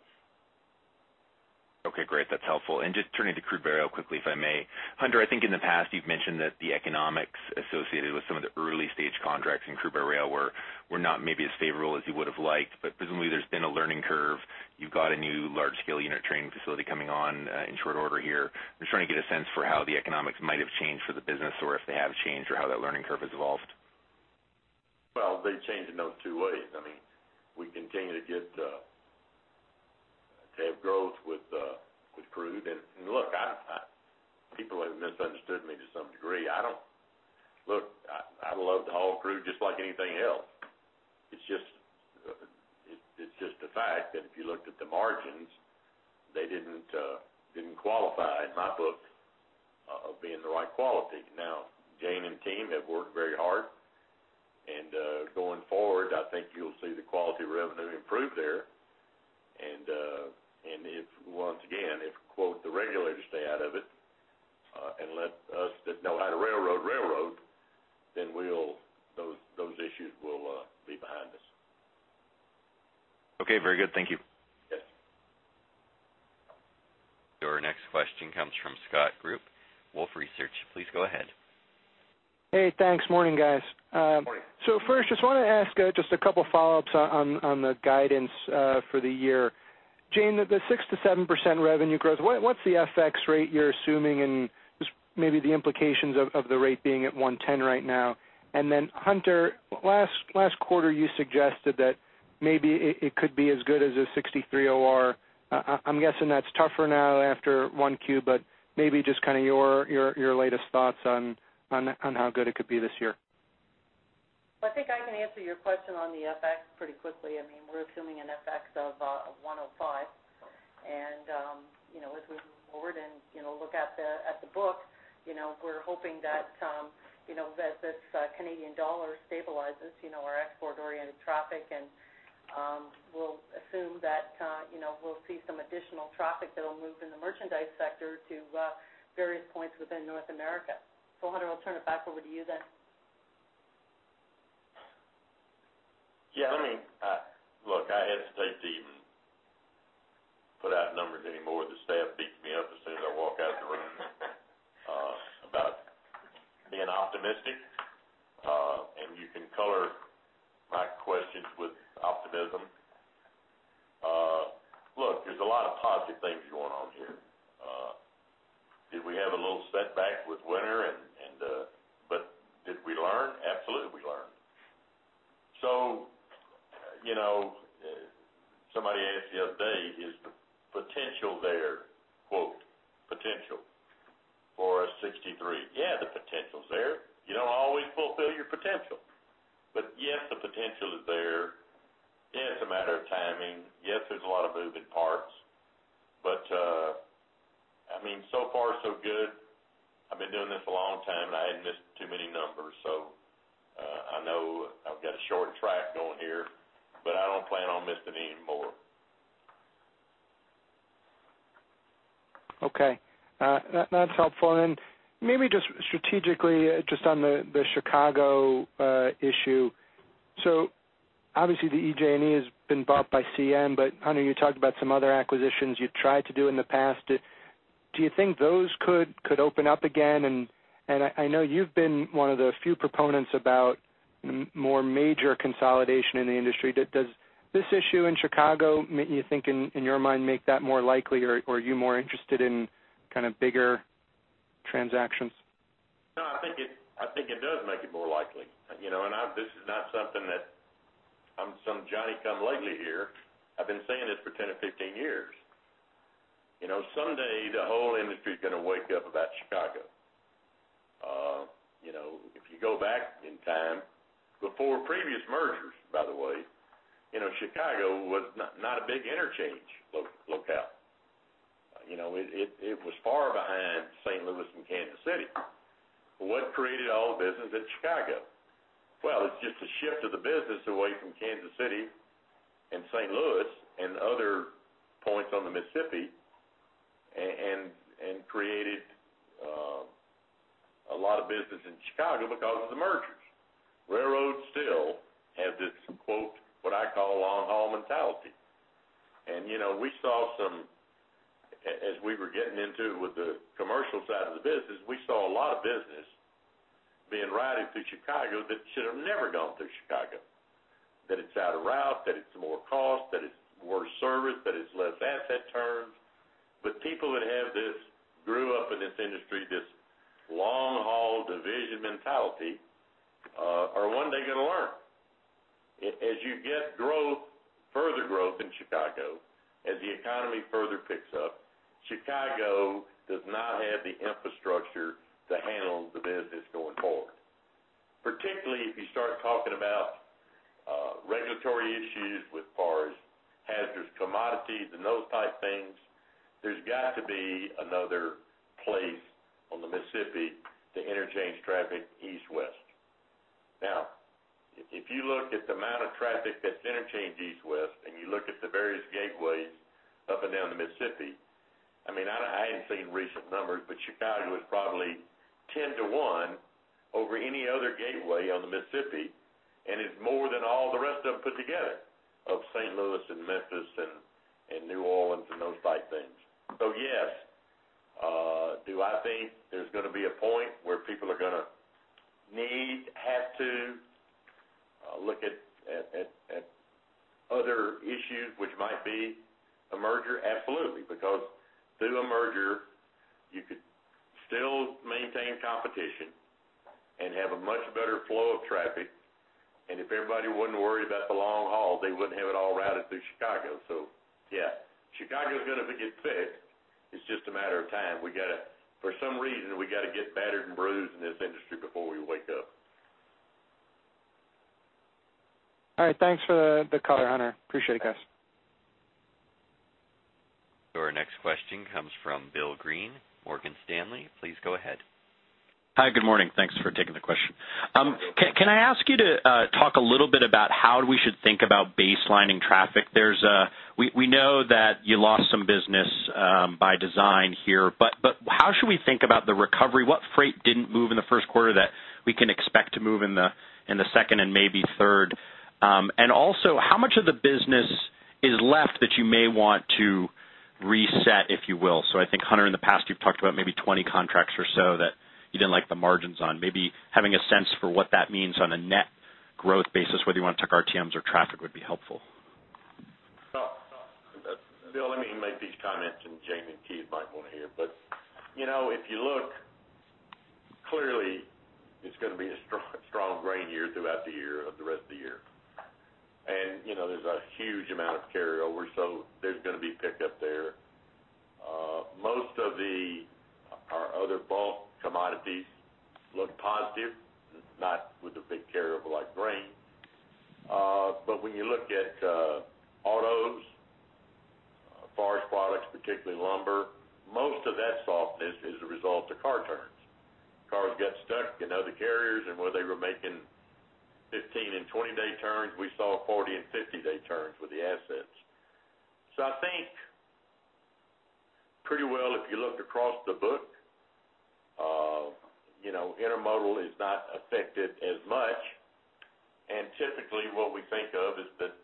Okay. Great. That's helpful. Just turning to crude by rail quickly, if I may. Hunter, I think in the past, you've mentioned that the economics associated with some of the early-stage contracts in crude by rail were not maybe as favorable as you would have liked. Presumably, there's been a learning curve. You've got a new large-scale unit train facility coming on in short order here. I'm just trying to get a sense for how the economics might have changed for the business or if they have changed or how that learning curve has evolved. Well, they've changed in those two ways. I mean, we continue to have growth with crude. And look, people have misunderstood me to some degree. Look, I love the whole crude just like anything else. It's just a fact that if you looked at the margins, they didn't qualify in my book of being the right quality. Now, Jane and team have worked very hard. And going forward, I think you'll see the quality of revenue improve there. And once again, if "the regulators stay out of it and let us that know how to railroad, railroad," then those issues will be behind us. Okay. Very good. Thank you. Yes. Your next question comes from Scott Group, Wolfe Research. Please go ahead. Hey. Thanks. Morning, guys. Morning. First, just want to ask just a couple of follow-ups on the guidance for the year. Jane, the 6%-7% revenue growth, what's the FX rate you're assuming and just maybe the implications of the rate being at 110 right now? Then Hunter, last quarter, you suggested that maybe it could be as good as a 63 OR. I'm guessing that's tougher now after one Q, but maybe just kind of your latest thoughts on how good it could be this year. Well, I think I can answer your question on the FX pretty quickly. I mean, we're assuming an FX of 105. And as we move forward and look at the book, we're hoping that as this Canadian dollar stabilizes, our export-oriented traffic, and we'll assume that we'll see some additional traffic that'll move in the merchandise sector to various points within North America. So Hunter, I'll turn it back over to you then. Yeah. Look, I hesitate to even put out numbers anymore. The staff beats me up as soon as I walk out of the room about being optimistic. And you can color my questions with optimism. Look, there's a lot of positive things going on here. Did we have a little setback with winter, but did we learn? Absolutely, we learned. So somebody asked the other day, "Is the potential there 'potential' for a 63?" Yeah, the potential's there. You don't always fulfill your potential. But yes, the potential is there. Yes, it's a matter of timing. Yes, there's a lot of moving parts. But I mean, so far, so good. I've been doing this a long time, and I hadn't missed too many numbers. So I know I've got a short track going here, but I don't plan on missing any more. Okay. That's helpful. Then maybe just strategically, just on the Chicago issue. So obviously, the EJ&E has been bought by CN, but Hunter, you talked about some other acquisitions you've tried to do in the past. Do you think those could open up again? And I know you've been one of the few proponents about more major consolidation in the industry. Does this issue in Chicago, you think in your mind, make that more likely, or are you more interested in kind of bigger transactions? No, I think it does make it more likely. This is not something that I'm some Johnny-come-lately here. I've been saying this for 10 or 15 years. Someday, the whole industry's going to wake up about Chicago. If you go back in time, before previous mergers, by the way, Chicago was not a big interchange locale. It was far behind St. Louis and Kansas City. But what created all the business at Chicago? Well, it's just a shift of the business away from Kansas City and St. Louis and other points on the Mississippi and created a lot of business in Chicago because of the mergers. Railroads still have this "what I call long-haul mentality." We saw some as we were getting into it with the commercial side of the business, we saw a lot of business being routed through Chicago that should have never gone through Chicago, that it's out of route, that it's more cost, that it's worse service, that it's less asset turns. But people that grew up in this industry, this long-haul division mentality, are one day going to learn. As you get further growth in Chicago, as the economy further picks up, Chicago does not have the infrastructure to handle the business going forward, particularly if you start talking about regulatory issues as far as hazardous commodities and those type things. There's got to be another place on the Mississippi to interchange traffic east-west. Now, if you look at the amount of traffic that's interchanged east-west and you look at the various gateways up and down the Mississippi, I mean, I hadn't seen recent numbers, but Chicago is probably 10-to-1 over any other gateway on the Mississippi and is more than all the rest of them put together of St. Louis and Memphis and New Orleans and those type things. So yes, do I think there's going to be a point where people are going to need, have to look at other issues, which might be a merger? Absolutely. Because through a merger, you could still maintain competition and have a much better flow of traffic. And if everybody wasn't worried about the long haul, they wouldn't have it all routed through Chicago. So yeah, Chicago's going to get fixed. It's just a matter of time. For some reason, we got to get battered and bruised in this industry before we wake up. All right. Thanks for the color, Hunter. Appreciate it, guys. Your next question comes from Bill Greene, Morgan Stanley. Please go ahead. Hi. Good morning. Thanks for taking the question. Can I ask you to talk a little bit about how we should think about baselining traffic? We know that you lost some business by design here, but how should we think about the recovery? What freight didn't move in the first quarter that we can expect to move in the second and maybe third? And also, how much of the business is left that you may want to reset, if you will? So I think, Hunter, in the past, you've talked about maybe 20 contracts or so that you didn't like the margins on. Maybe having a sense for what that means on a net growth basis, whether you want to look at RTMs or traffic, would be helpful. Bill, let me make these comments, and Jane and Keith might want to hear. But if you look, clearly, it's going to be a strong grain year throughout the year of the rest of the year. And there's a huge amount of carryover, so there's going to be pickup there. Most of our other bulk commodities look positive, not with a big carryover like grain. But when you look at autos, forest products, particularly lumber, most of that softness is a result of car turns. Cars got stuck in other carriers, and where they were making 15- and 20-day turns, we saw 40- and 50-day turns with the assets. So I think pretty well, if you look across the book, intermodal is not affected as much. And typically, what we think of is that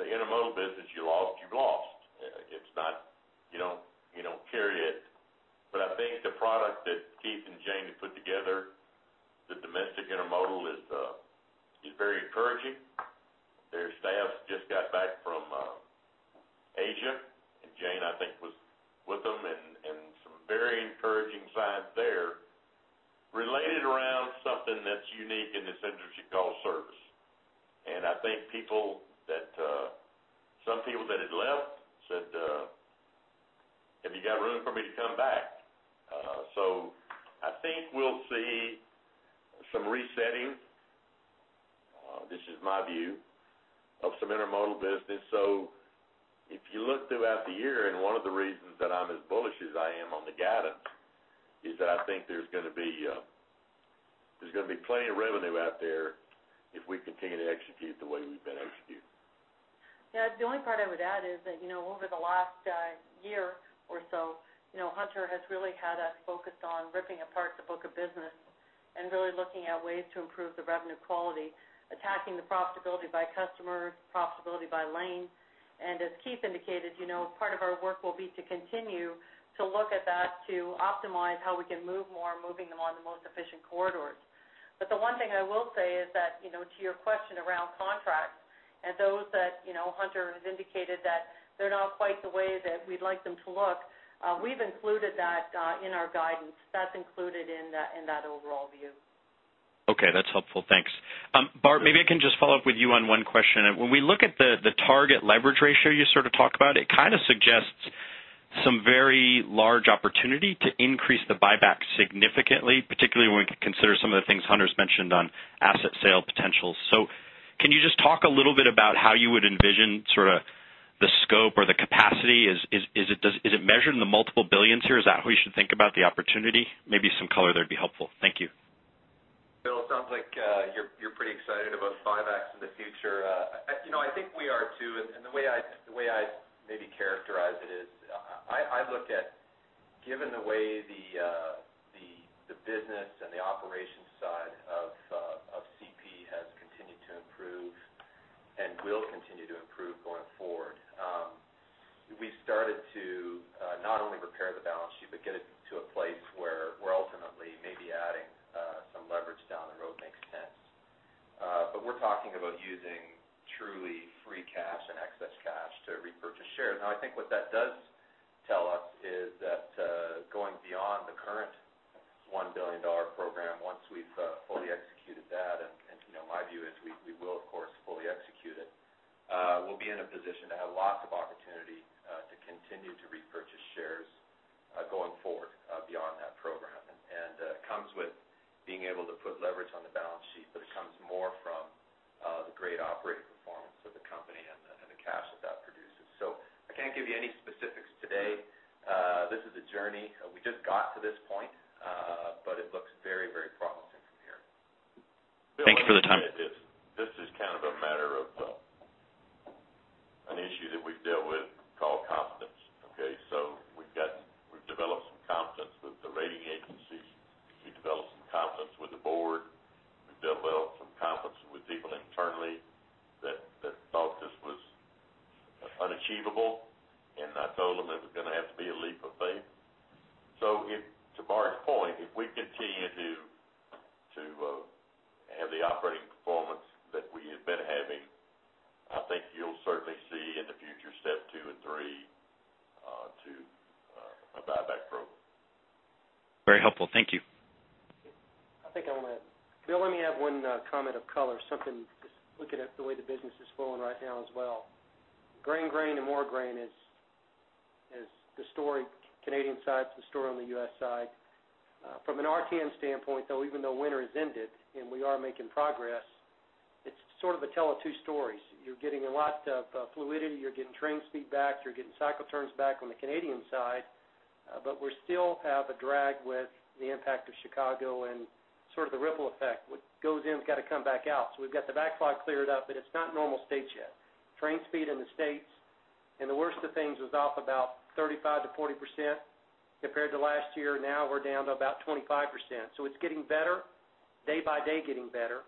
the intermodal business you lost, you've lost. You don't carry it. But I think the product that Keith and Jane have put together, the domestic intermodal, is very encouraging. Their staff just got back from Asia, and Jane, I think, was with them. And some very encouraging signs there related around something that's unique in this industry called service. And I think some people that had left said, "Have you got room for me to come back?" So I think we'll see some resetting. This is my view of some intermodal business. So if you look throughout the year, and one of the reasons that I'm as bullish as I am on the guidance is that I think there's going to be there's going to be plenty of revenue out there if we continue to execute the way we've been executing. Yeah. The only part I would add is that over the last year or so, Hunter has really had us focused on ripping apart the book of business and really looking at ways to improve the revenue quality, attacking the profitability by customers, profitability by lane. And as Keith indicated, part of our work will be to continue to look at that to optimize how we can move more, moving them on the most efficient corridors. But the one thing I will say is that to your question around contracts and those that Hunter has indicated that they're not quite the way that we'd like them to look, we've included that in our guidance. That's included in that overall view. Okay. That's helpful. Thanks. Bart, maybe I can just follow up with you on one question. When we look at the target leverage ratio you sort of talked about, it kind of suggests some very large opportunity to increase the buyback significantly, particularly when we consider some of the things Hunter's mentioned on asset sale potentials. So can you just talk a little bit about how you would envision sort of the scope or the capacity? Is it measured in the multiple billions here? Is that how you should think about the opportunity? Maybe some color there'd be helpful. Thank you. Bill, it sounds like you're pretty excited about buybacks in the future. I think we are too. The way I'd maybe characterize it is I look at given the way the business and the operations side of CP has continued to improve and will continue to improve going forward, we've started to not only repair the balance sheet but get it to a place where ultimately, maybe adding some leverage down the road makes sense. We're talking about using truly free cash and excess cash to repurchase shares. Now, I think what that does But we still have a drag with the impact of Chicago and sort of the ripple effect. What goes in's got to come back out. So we've got the backflow cleared up, but it's not normal state yet. Train speed in the states, and the worst of things was off about 35%-40% compared to last year. Now, we're down to about 25%. So it's getting better, day by day getting better,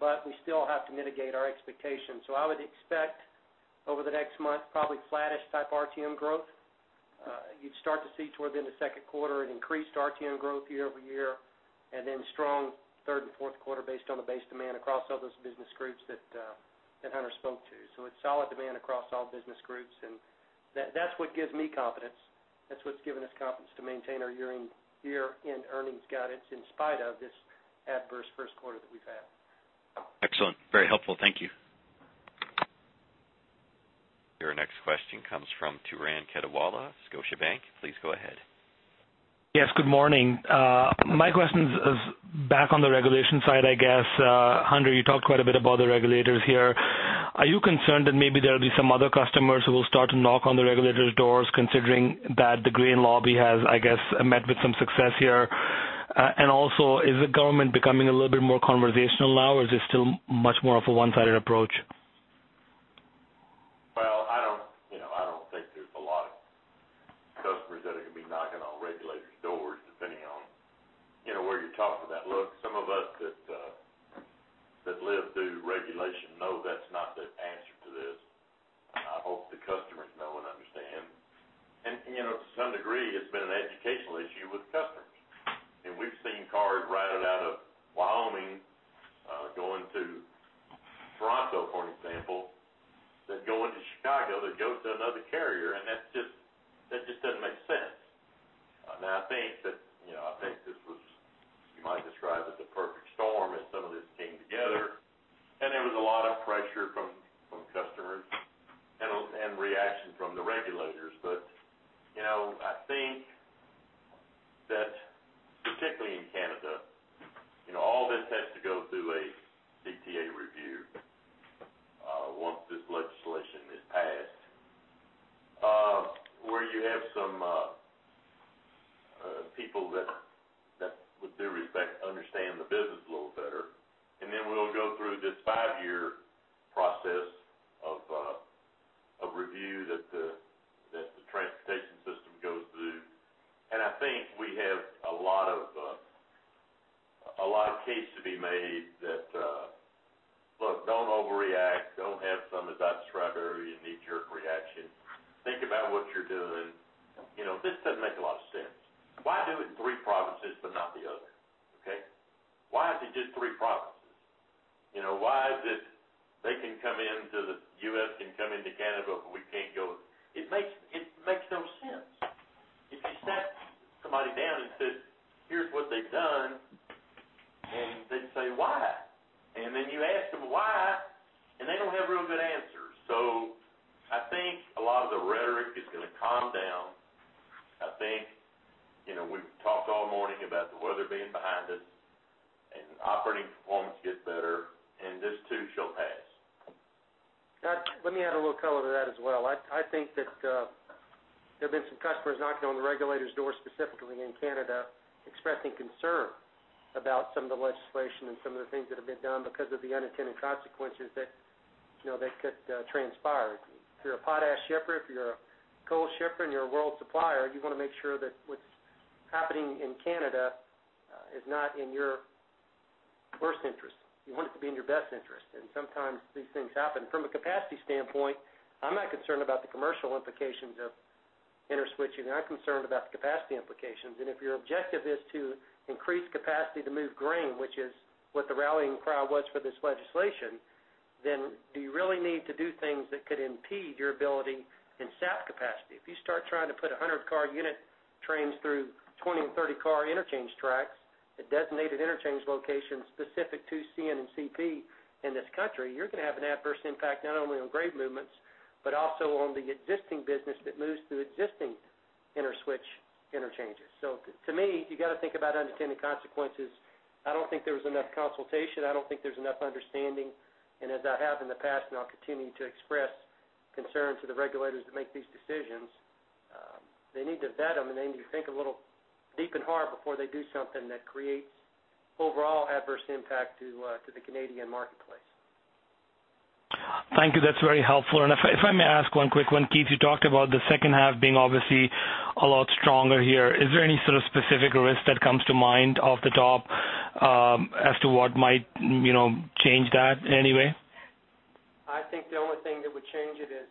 but we still have to mitigate our expectations. So I would expect over the next month, probably flattish type RTM growth. You'd start to see toward the end of second quarter an increased RTM growth year-over-year and then strong third and fourth quarter based on the base demand across all those business groups that Hunter spoke to. So it's solid demand across all business groups, and that's what gives me confidence. That's what's given us confidence to maintain our year-end earnings guidance in spite of this adverse first quarter that we've had. Excellent. Very helpful. Thank you. Your next question comes from Turan Quettawala, Scotiabank. Please go ahead. Yes. Good morning. My question is back on the regulation side, I guess. Hunter, you talked quite a bit about the regulators here. Are you concerned that maybe there'll be some other customers who will start to knock on the regulators' doors considering that the grain lobby has, I guess, met with some success here? And also, is the government becoming a little bit more conversational now, or is it still much more of a one-sided approach? interswitching. I'm concerned about the capacity implications. If your objective is to increase capacity to move grain, which is what the rallying cry was for this legislation, then do you really need to do things that could impede your ability in sap capacity? If you start trying to put 100-car unit trains through 20- and 30-car interchange tracks, a designated interchange location specific to CN and CP in this country, you're going to have an adverse impact not only on grain movements but also on the existing business that moves through existing interswitch interchanges. So to me, you got to think about unintended consequences. I don't think there was enough consultation. I don't think there's enough understanding. As I have in the past, and I'll continue to express concern to the regulators that make these decisions, they need to vet them, and they need to think a little deep and hard before they do something that creates overall adverse impact to the Canadian marketplace. Thank you. That's very helpful. And if I may ask one quick one, Keith, you talked about the second half being obviously a lot stronger here. Is there any sort of specific risk that comes to mind off the top as to what might change that in any way? I think the only thing that would change it is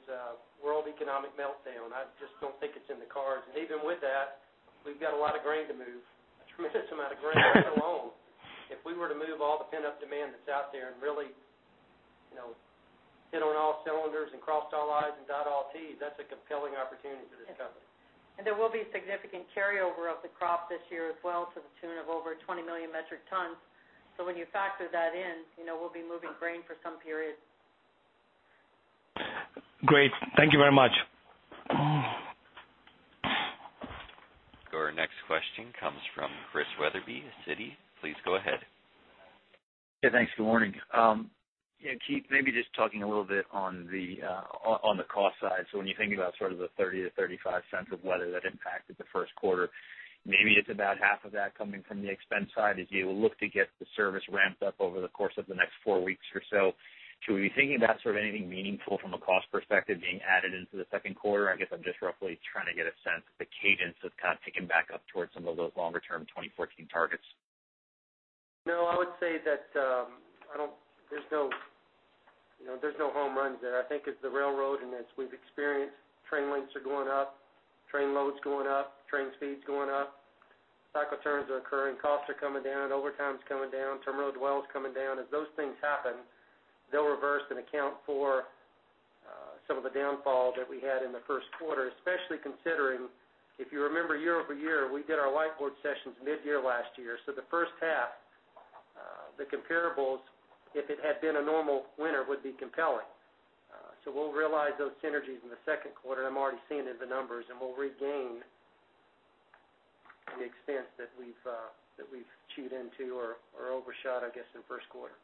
world economic meltdown. I just don't think it's in the cards. Even with that, we've got a lot of grain to move, a tremendous amount of grain let alone. If we were to move all the pent-up demand that's out there and really hit on all cylinders and crossed all i's and dot all t's, that's a compelling opportunity for this company. And there will be significant carryover of the crop this year as well to the tune of over 20 million metric tons. So when you factor that in, we'll be moving grain for some period. Great. Thank you very much. Our next question comes from Chris Wetherbee, Citi. Please go ahead. Yeah. Thanks. Good morning. Keith, maybe just talking a little bit on the cost side. So when you think about sort of the $0.30-$0.35 of weather that impacted the first quarter, maybe it's about half of that coming from the expense side as you look to get the service ramped up over the course of the next 4 weeks or so. So are you thinking about sort of anything meaningful from a cost perspective being added into the second quarter? I guess I'm just roughly trying to get a sense, the cadence that's kind of ticking back up towards some of those longer-term 2014 targets. No. I would say that there's no home runs there. I think it's the railroad, and as we've experienced, train lengths are going up, train loads going up, train speeds going up, cycle turns are occurring, costs are coming down, overtime's coming down, terminal dwells coming down. As those things happen, they'll reverse and account for some of the downfall that we had in the first quarter, especially considering if you remember year-over-year, we did our whiteboard sessions mid-year last year. So the first half, the comparables, if it had been a normal winter, would be compelling. So we'll realize those synergies in the second quarter, and I'm already seeing it in the numbers, and we'll regain the expense that we've chewed into or overshot, I guess, in first quarter.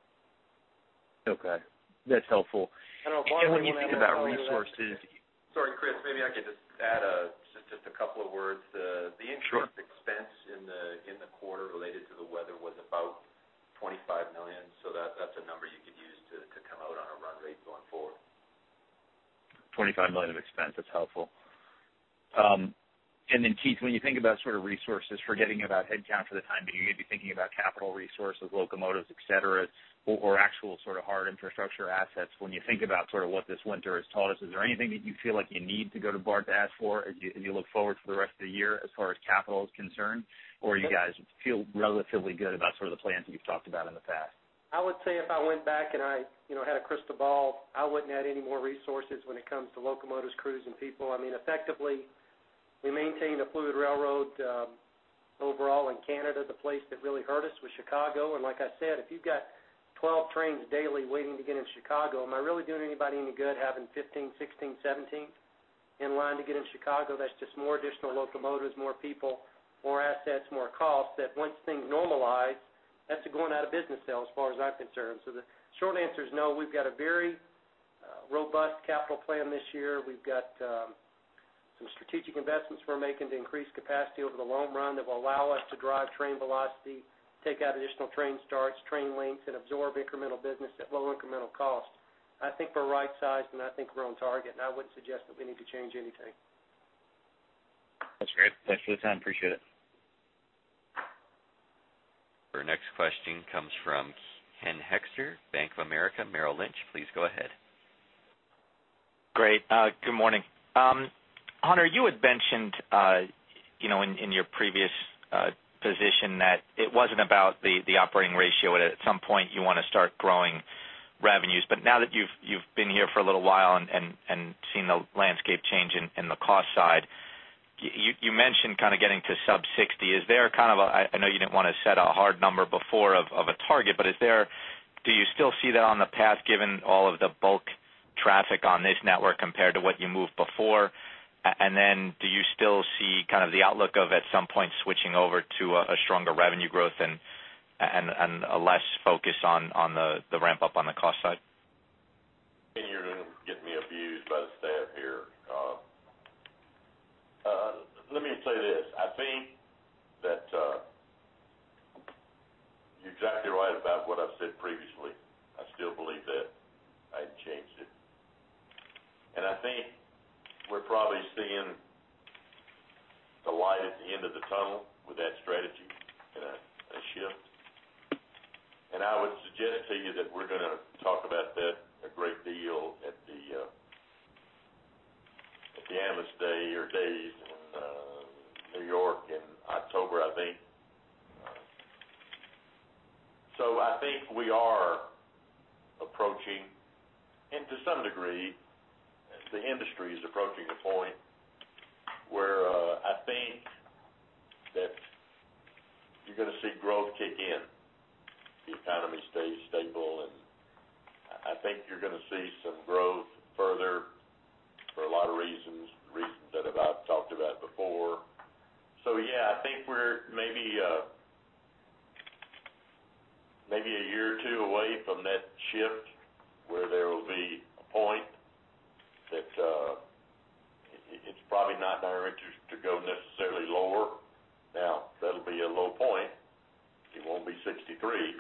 Okay. That's helpful. I don't know if Martin. Can we think about resources? Sorry, Chris. Maybe I could just add just a couple of words. The insurance expense in the quarter related to the weather was about $25 million. So that's a number you could use to come out on a run rate going forward. $25 million of expense. That's helpful. And then, Keith, when you think about sort of resources, forgetting about headcount for the time being, you'd be thinking about capital resources, locomotives, etc., or actual sort of hard infrastructure assets. When you think about sort of what this winter has taught us, is there anything that you feel like you need to go to Bart to ask for as you look forward to the rest of the year as far as capital is concerned, or you guys feel relatively good about sort of the plans that you've talked about in the past? I would say if I went back and I had a crystal ball, I wouldn't add any more resources when it comes to locomotives, crews, and people. I mean, effectively, we maintain the fluid railroad overall in Canada. The place that really hurt us was Chicago. Like I said, if you've got 12 trains daily waiting to get in Chicago, am I really doing anybody any good having 15, 16, 17 in line to get in Chicago? That's just more additional locomotives, more people, more assets, more costs that once things normalize, that's going out of business sales as far as I'm concerned. The short answer is no. We've got a very robust capital plan this year. We've got some strategic investments we're making to increase capacity over the long run that will allow us to drive train velocity, take out additional train starts, train lengths, and absorb incremental business at low incremental cost. I think we're right-sized, and I think we're on target. I wouldn't suggest that we need to change anything. That's great. Thanks for the time. Appreciate it. Our next question comes from Ken Hoexter, Bank of America Merrill Lynch. Please go ahead. Great. Good morning. Hunter, you had mentioned in your previous position that it wasn't about the operating ratio, but at some point, you want to start growing revenues. But now that you've been here for a little while and seen the landscape change in the cost side, you mentioned kind of getting to sub-60. Is there kind of a, I know you didn't want to set a hard number before of a target, but do you still see that on the path given all of the bulk traffic on this network compared to what you moved before? And then do you still see kind of the outlook of at some point switching over to a stronger revenue growth and a less focus on the ramp-up on the cost side? You're going to get me abused by the stamp here. Let me say this. I think that you're exactly right about what I've said previously. I still believe that I'd change it. I think we're probably seeing the light at the end of the tunnel with that strategy and a shift. I would suggest to you that we're going to talk about that a great deal at the Investor Day or days in New York in October, I think. I think we are approaching and to some degree, the industry is approaching a point where I think that you're going to see growth kick in. The economy stays stable, and I think you're going to see some growth further for a lot of reasons, the reasons that I've talked about before. So yeah, I think we're maybe a year or two away from that shift where there will be a point that it's probably not in our interest to go necessarily lower. Now, that'll be a low point. It won't be 63.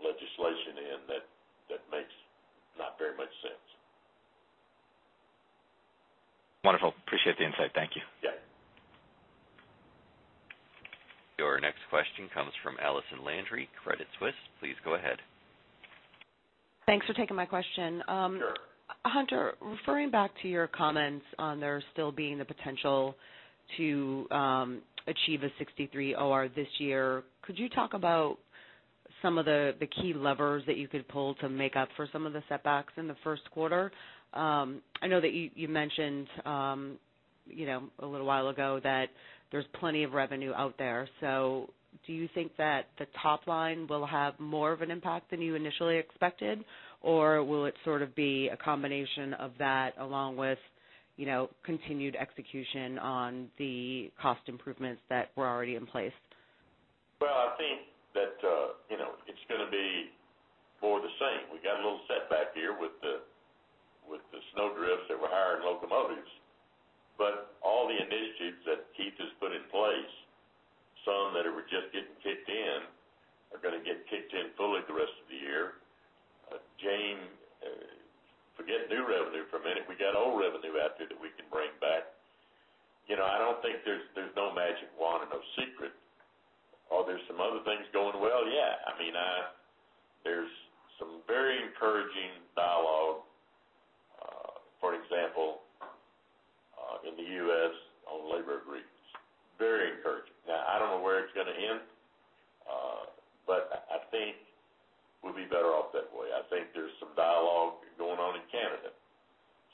legislation in that makes not very much sense. Wonderful. Appreciate the insight. Thank you. Yeah. Our next question comes from Allison Landry, Credit Suisse. Please go ahead. Thanks for taking my question. Hunter, referring back to your comments on there still being the potential to achieve a 63 OR this year, could you talk about some of the key levers that you could pull to make up for some of the setbacks in the first quarter? I know that you mentioned a little while ago that there's plenty of revenue out there. So do you think that the top line will have more of an impact than you initially expected, or will it sort of be a combination of that along with continued execution on the cost improvements that were already in place? Well, I think that it's going to be more the same. We got a little setback here with the snow drifts that were higher in locomotives. But all the initiatives that Keith has put in place, some that were just getting kicked in, are going to get kicked in fully the rest of the year. James, forget new revenue for a minute. We got old revenue out there that we can bring back. I don't think there's no magic wand and no secret. Are there some other things going well? Yeah. I mean, there's some very encouraging dialogue, for example, in the U.S. on labor agreements. Very encouraging. Now, I don't know where it's going to end, but I think we'll be better off that way. I think there's some dialogue going on in Canada.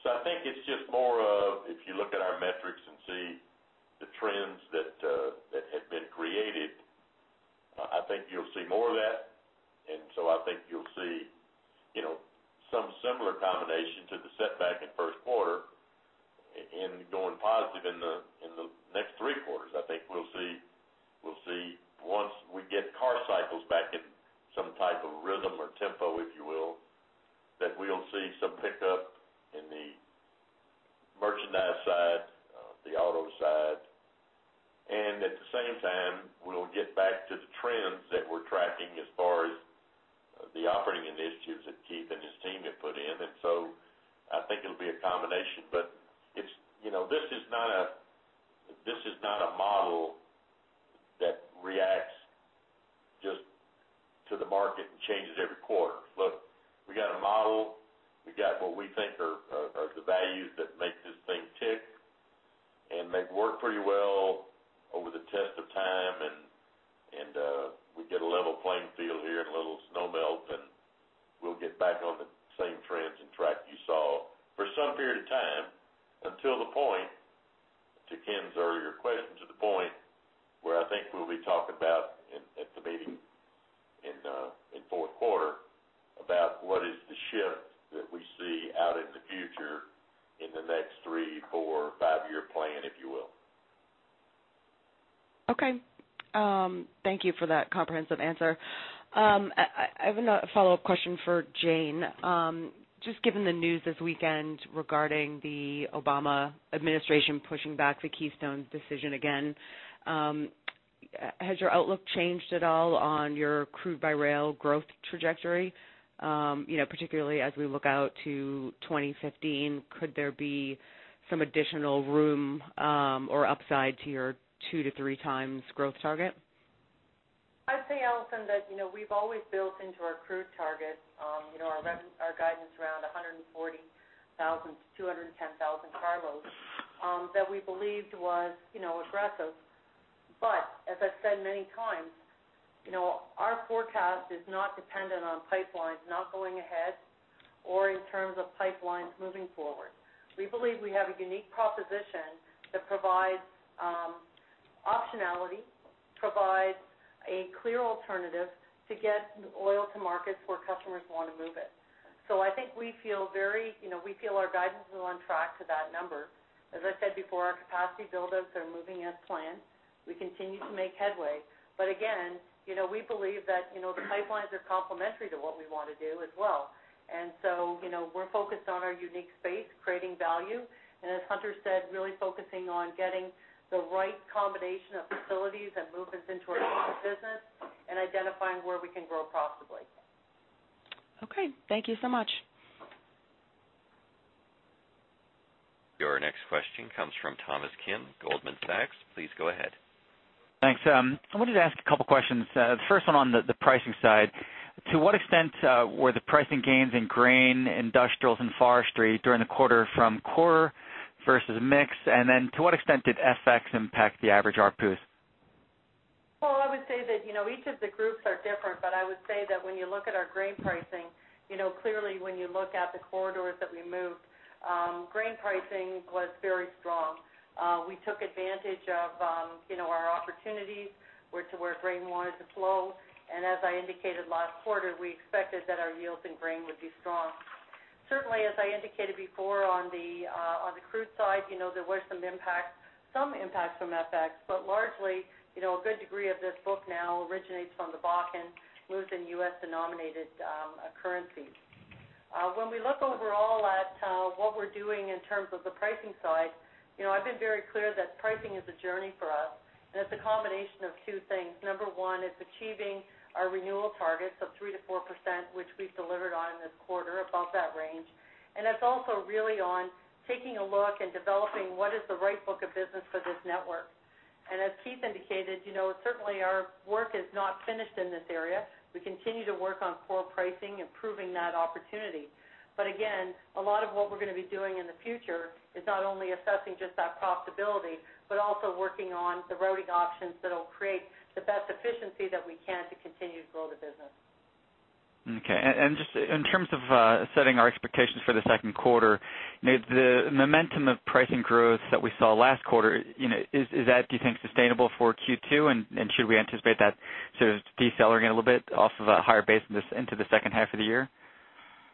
So I think it's just more of if you look at our metrics and see the trends that had been created. I think you'll see more of that. And so I think you'll see some similar combination to the setback in first quarter and going positive in the next three quarters. I think we'll see once we get car cycles back in some type of rhythm or tempo, if you will, that we'll see some pickup in the merchandise side, the auto side. And at the same time, we'll get back to the trends that we're tracking as far as the operating initiatives that Keith and his team have put in. And so I think it'll be a combination. But this is not a model that reacts just to the market and changes every quarter. Look, we got a model. We got what we think are the values that make this thing tick and may work pretty well over the test of time. We get a level playing field here and a little snowmelt, and we'll get back on the same trends and track you saw for some period of time until the point, to Ken's earlier question, to the point where I think we'll be talking about at the meeting in fourth quarter about what is the shift that we see out in the future in the next 3, 4, 5-year plan, if you will. Okay. Thank you for that comprehensive answer. I have a follow-up question for Jane. Just given the news this weekend regarding the Obama administration pushing back the Keystone decision again, has your outlook changed at all on your crude-by-rail growth trajectory, particularly as we look out to 2015? Could there be some additional room or upside to your 2-3x growth target? I'd say, Allison, that we've always built into our crude target, our guidance around 140,000-210,000 carloads, that we believed was aggressive. But as I've said many times, our forecast is not dependent on pipelines, not going ahead or in terms of pipelines moving forward. We believe we have a unique proposition that provides optionality, provides a clear alternative to get oil to markets where customers want to move it. So I think we feel very we feel our guidance is on track to that number. As I said before, our capacity buildups are moving as planned. We continue to make headway. But again, we believe that the pipelines are complementary to what we want to do as well. And so we're focused on our unique space, creating value. As Hunter said, really focusing on getting the right combination of facilities and movements into our business and identifying where we can grow profitably. Okay. Thank you so much. Your next question comes from Thomas Kim, Goldman Sachs. Please go ahead. Thanks. I wanted to ask a couple of questions. The first one on the pricing side. To what extent were the pricing gains in grain, industrials, and forestry during the quarter from core versus mix? And then to what extent did FX impact the average RPUs? Well, I would say that each of the groups are different. But I would say that when you look at our grain pricing, clearly, when you look at the corridors that we moved, grain pricing was very strong. We took advantage of our opportunities where grain wanted to flow. And as I indicated last quarter, we expected that our yields in grain would be strong. Certainly, as I indicated before on the crude side, there were some impacts, some impacts from FX. But largely, a good degree of this book now originates from the Bakken, moves in U.S.-denominated currencies. When we look overall at what we're doing in terms of the pricing side, I've been very clear that pricing is a journey for us. And it's a combination of two things. Number one, it's achieving our renewal targets of 3%-4%, which we've delivered on in this quarter, about that range. It's also really on taking a look and developing what is the right book of business for this network. As Keith indicated, certainly, our work is not finished in this area. We continue to work on core pricing, improving that opportunity. But again, a lot of what we're going to be doing in the future is not only assessing just that profitability but also working on the routing options that'll create the best efficiency that we can to continue to grow the business. Okay. Just in terms of setting our expectations for the second quarter, the momentum of pricing growth that we saw last quarter, is that, do you think, sustainable for Q2? And should we anticipate that sort of decelerating a little bit off of a higher base into the second half of the year?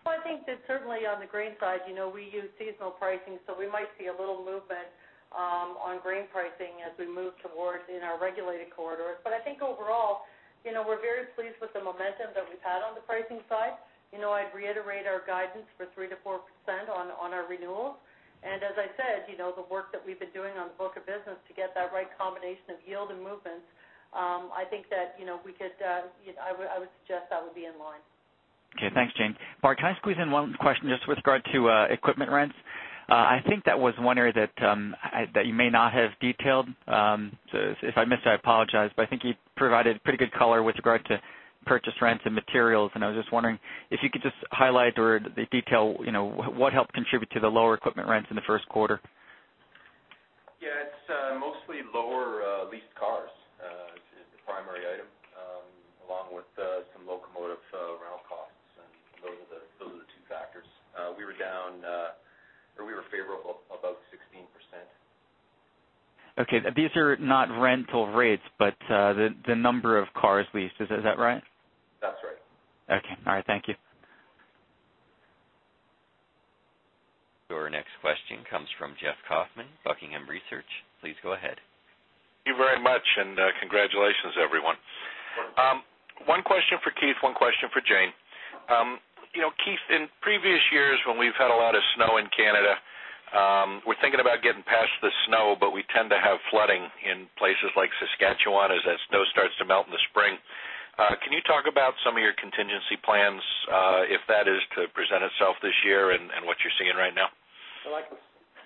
Well, I think that certainly, on the grain side, we use seasonal pricing. So we might see a little movement on grain pricing as we move towards in our regulated corridors. But I think overall, we're very pleased with the momentum that we've had on the pricing side. I'd reiterate our guidance for 3%-4% on our renewals. And as I said, the work that we've been doing on the book of business to get that right combination of yield and movements, I think that we could I would suggest that would be in line. Okay. Thanks, Jane. Bart, can I squeeze in one question just with regard to equipment rents? I think that was one area that you may not have detailed. So if I missed it, I apologize. But I think you provided pretty good color with regard to purchase rents and materials. And I was just wondering if you could just highlight or detail what helped contribute to the lower equipment rents in the first quarter. Yeah. It's mostly lower leased cars is the primary item along with some locomotive rental costs. Those are the two factors. We were down or we were favorable about 16%. Okay. These are not rental rates but the number of cars leased. Is that right? That's right. Okay. All right. Thank you. Your next question comes from Jeff Kauffman, Buckingham Research. Please go ahead. Thank you very much. Congratulations, everyone. One question for Keith. One question for Jane. Keith, in previous years, when we've had a lot of snow in Canada, we're thinking about getting past the snow. But we tend to have flooding in places like Saskatchewan as that snow starts to melt in the spring. Can you talk about some of your contingency plans, if that is to present itself this year, and what you're seeing right now? Well, I can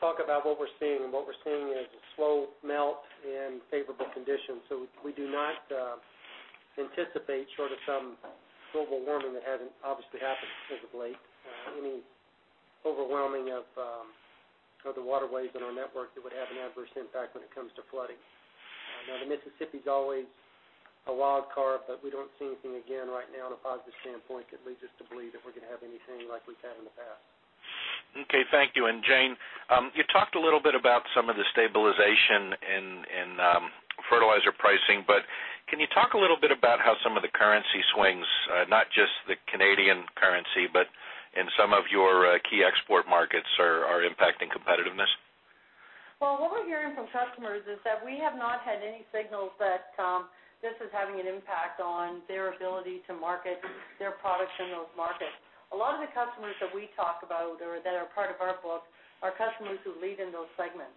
talk about what we're seeing. What we're seeing is a slow melt in favorable conditions. So we do not anticipate short of some global warming that hasn't obviously happened as of late, any overwhelming of the waterways in our network that would have an adverse impact when it comes to flooding. Now, the Mississippi's always a wild card. But we don't see anything again right now on a positive standpoint that leads us to believe that we're going to have anything like we've had in the past. Okay. Thank you. Jane, you talked a little bit about some of the stabilization in fertilizer pricing. Can you talk a little bit about how some of the currency swings, not just the Canadian currency but in some of your key export markets, are impacting competitiveness? Well, what we're hearing from customers is that we have not had any signals that this is having an impact on their ability to market their products in those markets. A lot of the customers that we talk about or that are part of our book are customers who lead in those segments.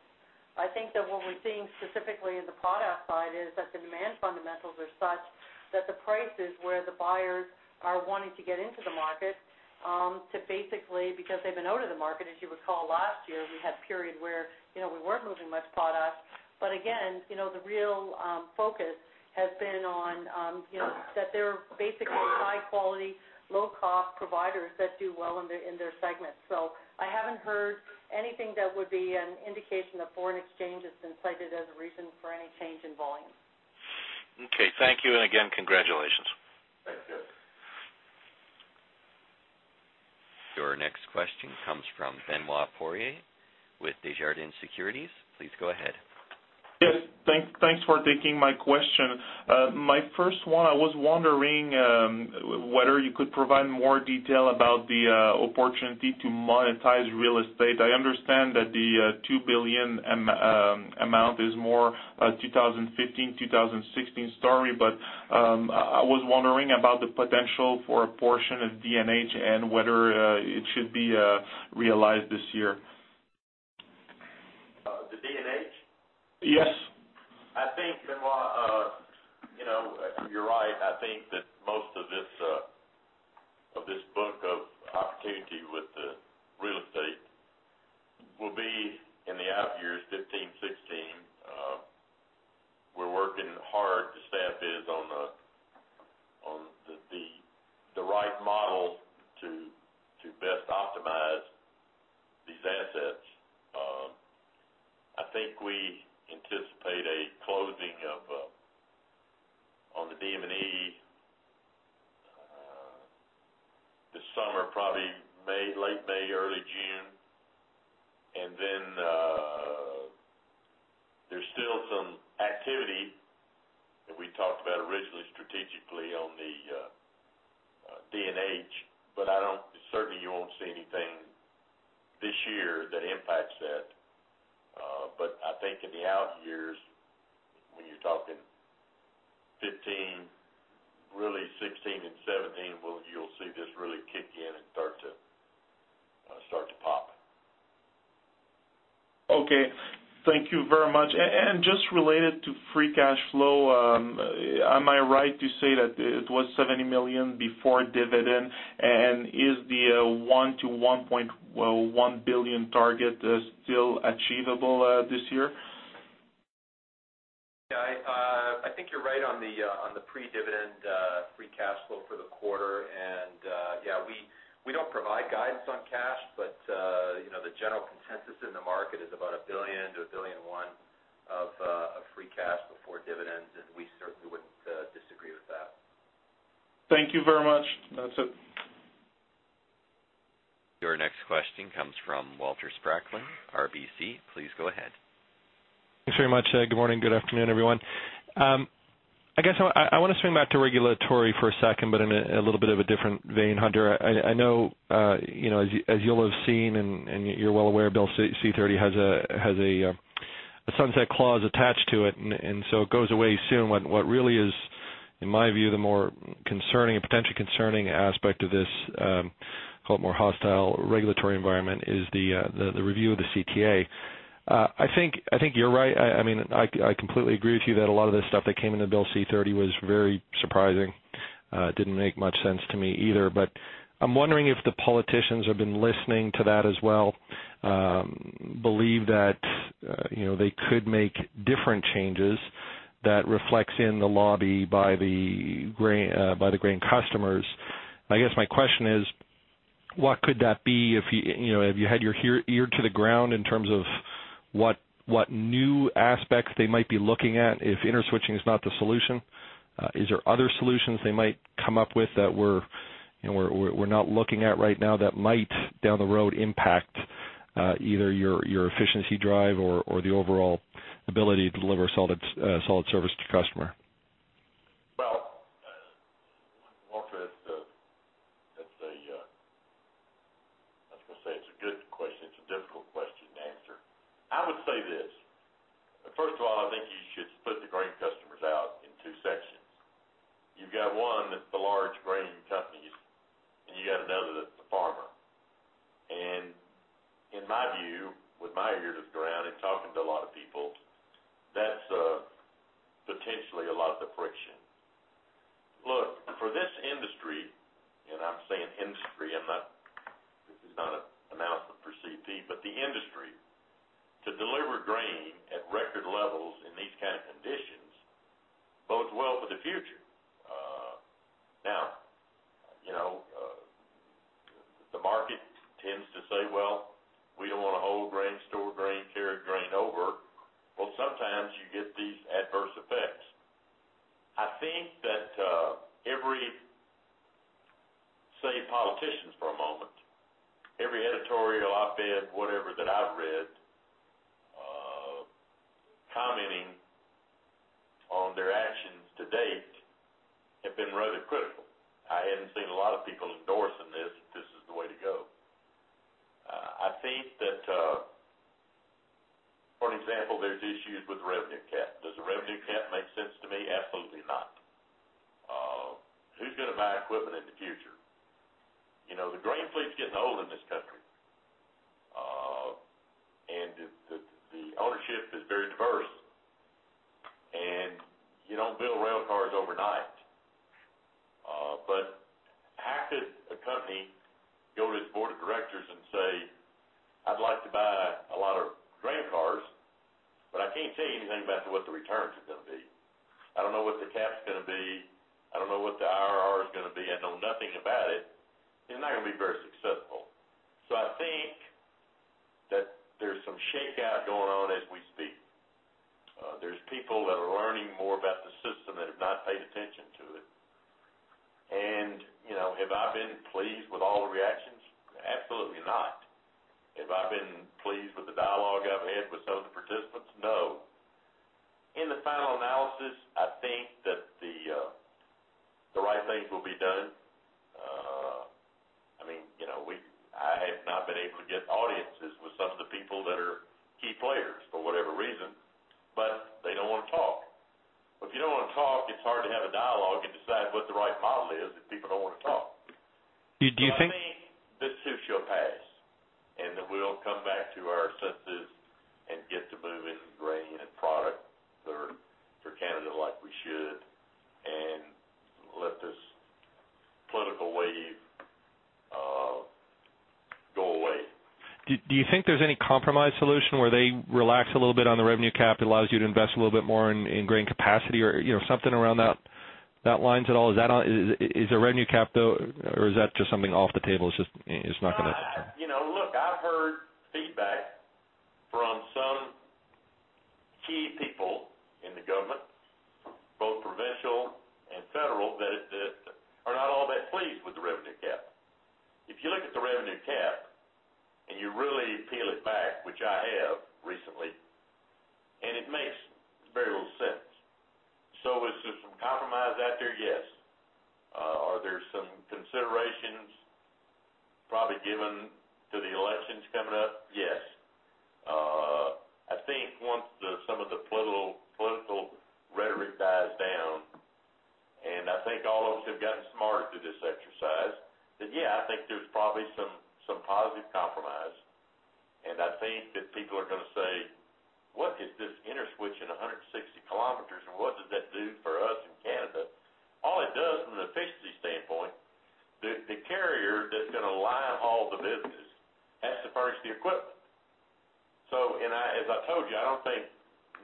I think that what we're seeing specifically in the product side is that the demand fundamentals are such that the price is where the buyers are wanting to get into the market to basically because they've been out of the market, as you recall, last year, we had a period where we weren't moving much product. But again, the real focus has been on that they're basically high-quality, low-cost providers that do well in their segments. I haven't heard anything that would be an indication that foreign exchange has been cited as a reason for any change in volume. Okay. Thank you. And again, congratulations. Your next question comes from Benoit Poirier with Desjardins Securities. Please go ahead. Yes. Thanks for taking my question. My first one, I was wondering whether you could provide more detail about the opportunity to monetize real estate. I understand that the $2 billion amount is more a 2015, 2016 story. But I was wondering about the potential for a portion of D&H and whether it should be realized this year. The D&H? Yes. I think, Benoit, you're right. I think that most of this book of opportunity with the real estate will be in the out-of-years, 2015, 2016. We're working hard to stamp in on the right model to best optimize these assets. I think we anticipate a closing on the DM&E this summer, probably late May, early June. And then there's still some activity that we talked about originally, strategically, on the D&H. But certainly, you won't see anything this year that impacts that. But I think in the out-of-years, when you're talking 2015, really 2016 and 2017, you'll see this really kick in and start to pop. Okay. Thank you very much. And just related to free cash flow, am I right to say that it was $70 million before dividend? And is the $1 billion-$1.1 billion target still achievable this year? Yeah. I think you're right on the pre-dividend free cash flow for the quarter. Yeah, we don't provide guidance on cash. But the general consensus in the market is about $1 billion-$1.1 billion of free cash before dividends. And we certainly wouldn't disagree with that. Thank you very much. That's it. Your next question comes from Walter Spracklin, RBC. Please go ahead. Thanks very much. Good morning. Good afternoon, everyone. I guess I want to swing back to regulatory for a second but in a little bit of a different vein, Hunter. I know, as you'll have seen and you're well aware, Bill C-30 has a sunset clause attached to it. So it goes away soon. What really is, in my view, the more concerning and potentially concerning aspect of this, call it more hostile, regulatory environment is the review of the CTA. I think you're right. I mean, I completely agree with you that a lot of this stuff that came into Bill C-30 was very surprising. It didn't make much sense to me either. But I'm wondering if the politicians who have been listening to that as well believe that they could make different changes that reflect in the lobby by the grain customers. I guess my question is, what could that be? Have you had your ear to the ground in terms of what new aspects they might be looking at if interswitching is not the solution? Is there other solutions they might come up with that we're not looking at right now that might, down the road, impact either your efficiency drive or the overall ability to deliver solid service to the customer? Well, Walter, I was going to say it's a good question. It's a difficult question to answer. I would say this. First of all, I think you should split the grain customers out in two sections. You've got one, the large grain companies. And you've got another, the farmer. And in my view, with my ear to the ground and talking to a lot of people, that's potentially a lot of the friction. Look, for this industry - and I'm saying industry. This is not an announcement for CP - but the industry, to deliver grain at record levels in these kind of conditions, bodes well for the future. Now, the market tends to say, "Well, we don't want to hold grain store, grain carry, grain over." Well, sometimes you get these adverse effects. I think that every, say, politician for a moment, every editorial, op-ed, whatever that I've read commenting on their actions to date have been rather critical. I hadn't seen a lot of people endorsing this if this is the way to go. I think that, for an example, there's issues with the revenue cap. Does the revenue cap make sense to me? Absolutely not. Who's going to buy equipment in the future? The grain fleet's getting old in this country. And the ownership is very diverse. And you don't build rail cars overnight. But how could a company go to its board of directors and say, "I'd like to buy a lot of grain cars. But I can't tell you anything about what the returns are going to be. I don't know what the cap's going to be. I don't know what the IRR's going to be. I know nothing about it." It's not going to be very successful. So I think that there's some shakeout going on as we speak. There's people that are learning more about the system that have not paid attention to it. And have I been pleased with all the reactions? Absolutely not. Have I been pleased with the dialogue I've had with some of the participants? No. In the final analysis, I think that the right things will be done. I mean, I have not been able to get audiences with some of the people that are key players for whatever reason. But they don't want to talk. Well, if you don't want to talk, it's hard to have a dialogue and decide what the right model is if people don't want to talk. Do you think? Well, I think this too shall pass and that we'll come back to our senses and get to moving grain and product through Canada like we should and let this political wave go away. Do you think there's any compromise solution where they relax a little bit on the revenue cap, it allows you to invest a little bit more in grain capacity, or something along those lines at all? Is the revenue cap though? Or is that just something off the table? It's not going to? Look, I've heard feedback from some key people in the government, both provincial and federal, that are not all that pleased with the revenue cap. If you look at the revenue cap and you really peel it back, which I have recently, and it makes very little sense. So is there some compromise out there? Yes. Are there some considerations probably given to the elections coming up? Yes. I think once some of the political rhetoric dies down, and I think all of us have gotten smarter through this exercise, that yeah, I think there's probably some positive compromise. And I think that people are going to say, "What is this interswitching 160 km? And what does that do for us in Canada?" All it does, from an efficiency standpoint, the carrier that's going to line all the business has to furnish the equipment. And as I told you, I don't think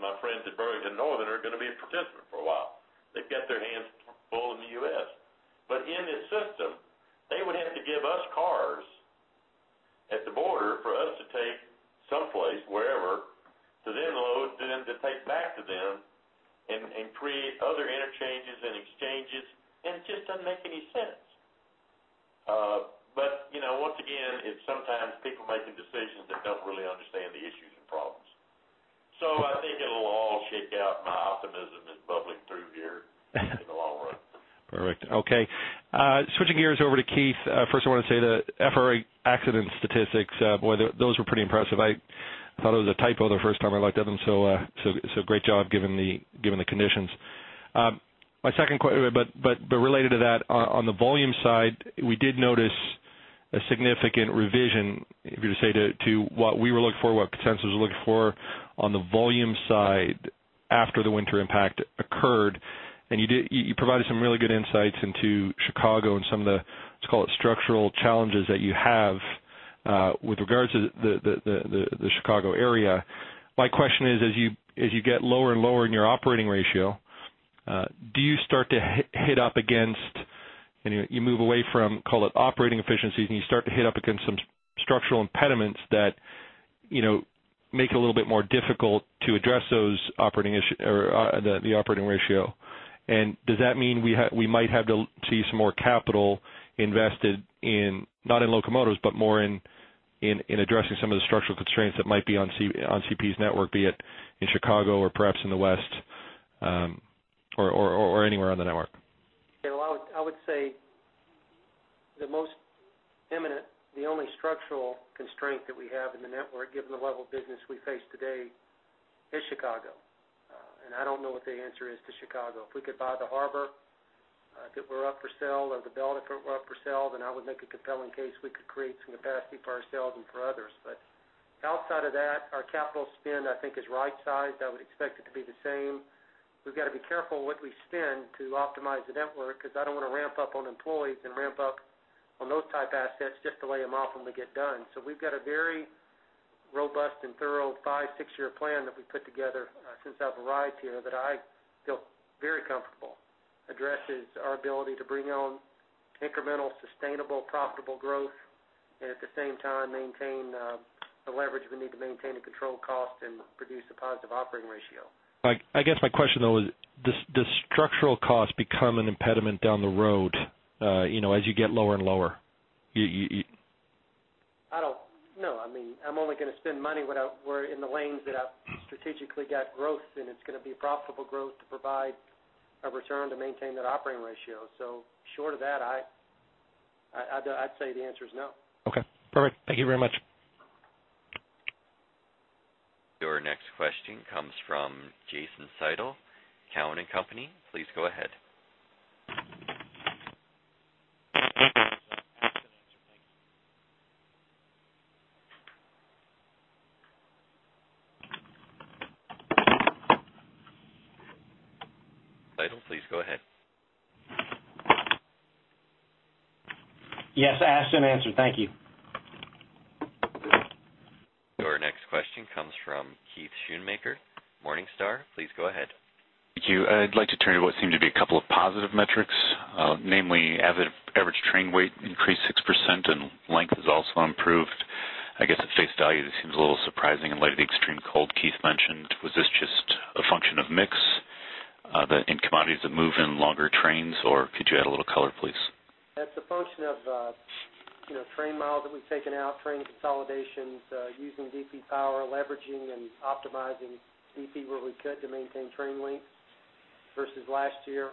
my friends at Burlington Northern are going to be a participant for a while. They've got their hands full in the U.S. But in this system, they would have to give us cars at the border for us to take someplace, wherever, to then load, then to take back to them, and create other interchanges and exchanges. And it just doesn't make any sense. But once again, it's sometimes people making decisions that don't really understand the issues and problems. So I think it'll all shake out. My optimism is bubbling through here in the long run. Perfect. Okay. Switching gears over to Keith. First, I want to say the FRA accident statistics, boy, those were pretty impressive. I thought it was a typo the first time I looked at them. So great job given the conditions. But related to that, on the volume side, we did notice a significant revision, if you're to say, to what we were looking for, what consensus was looking for on the volume side after the winter impact occurred. And you provided some really good insights into Chicago and some of the, let's call it, structural challenges that you have with regards to the Chicago area. My question is, as you get lower and lower in your operating ratio, do you start to hit up against and you move away from, call it, operating efficiencies. You start to hit up against some structural impediments that make it a little bit more difficult to address those operating or the operating ratio. Does that mean we might have to see some more capital invested in not in locomotives but more in addressing some of the structural constraints that might be on CP's network, be it in Chicago or perhaps in the west or anywhere on the network? Well, I would say the only structural constraint that we have in the network, given the level of business we face today, is Chicago. I don't know what the answer is to Chicago. If we could buy the Harbor Belt that's up for sale or the Belt if it's up for sale, then I would make a compelling case we could create some capacity for ourselves and for others. But outside of that, our capital spend, I think, is right-sized. I would expect it to be the same. We've got to be careful what we spend to optimize the network because I don't want to ramp up on employees and ramp up on those type assets just to lay them off when we get done. We've got a very robust and thorough 5-6-year plan that we put together since I've arrived here that I feel very comfortable. Addresses our ability to bring on incremental, sustainable, profitable growth and, at the same time, maintain the leverage we need to maintain a controlled cost and produce a positive operating ratio. I guess my question, though, is, does structural cost become an impediment down the road as you get lower and lower? No. I mean, I'm only going to spend money where, in the lanes that I've strategically got growth. It's going to be profitable growth to provide a return to maintain that operating ratio. Short of that, I'd say the answer is no. Okay. Perfect. Thank you very much. Your next question comes from Jason Seidl, Cowen & Company. Please go ahead. Seidl, please go ahead. Yes. Asked and answered. Thank you. Your next question comes from Keith Schoonmaker, Morningstar. Please go ahead. Thank you. I'd like to turn to what seemed to be a couple of positive metrics, namely average train weight increased 6% and length is also improved. I guess at face value, this seems a little surprising in light of the extreme cold Keith mentioned. Was this just a function of mix in commodities that move in longer trains? Or could you add a little color, please? That's a function of train miles that we've taken out, train consolidations, using DP power, leveraging and optimizing DP where we could to maintain train length versus last year.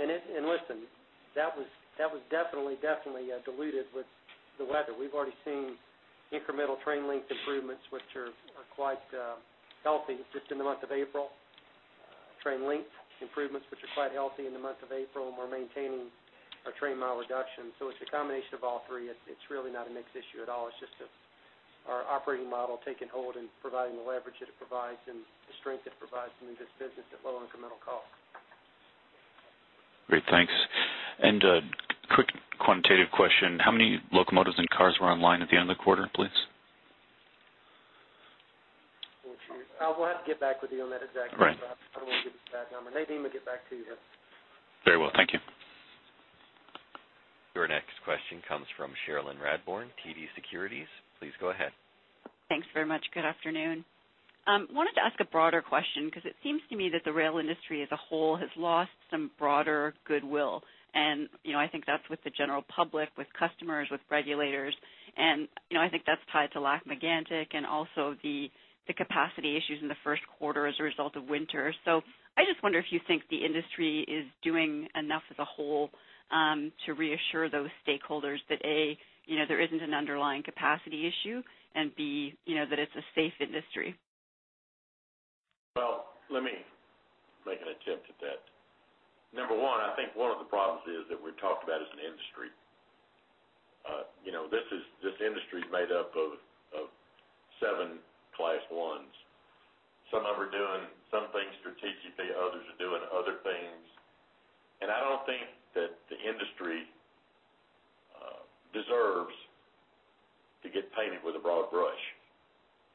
And listen, that was definitely, definitely diluted with the weather. We've already seen incremental train length improvements, which are quite healthy just in the month of April, train length improvements, which are quite healthy in the month of April. And we're maintaining our train mile reduction. So it's a combination of all three. It's really not a mix issue at all. It's just our operating model taking hold and providing the leverage that it provides and the strength that it provides to move this business at low incremental costs. Great. Thanks. And quick quantitative question. How many locomotives and cars were online at the end of the quarter, please? We'll have to get back with you on that exact number. I don't want to give you a bad number. Nadeem, I'll get back to you. Very well. Thank you. Your next question comes from Cherilyn Radbourne, TD Securities. Please go ahead. Thanks very much. Good afternoon. I wanted to ask a broader question because it seems to me that the rail industry as a whole has lost some broader goodwill. I think that's with the general public, with customers, with regulators. I think that's tied to Lac-Mégantic and also the capacity issues in the first quarter as a result of winter. I just wonder if you think the industry is doing enough as a whole to reassure those stakeholders that, A, there isn't an underlying capacity issue, and B, that it's a safe industry. Well, let me make an attempt at that. Number one, I think one of the problems is that we've talked about as an industry. This industry's made up of seven class ones. Some of them are doing some things strategically. Others are doing other things. And I don't think that the industry deserves to get painted with a broad brush.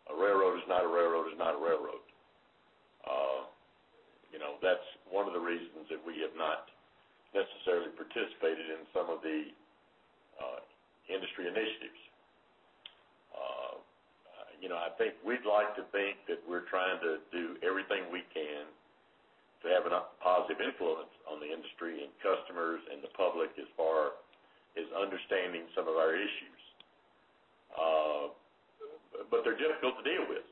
A railroad is not a railroad. It's not a railroad. That's one of the reasons that we have not necessarily participated in some of the industry initiatives. I think we'd like to think that we're trying to do everything we can to have a positive influence on the industry and customers and the public as far as understanding some of our issues. But they're difficult to deal with.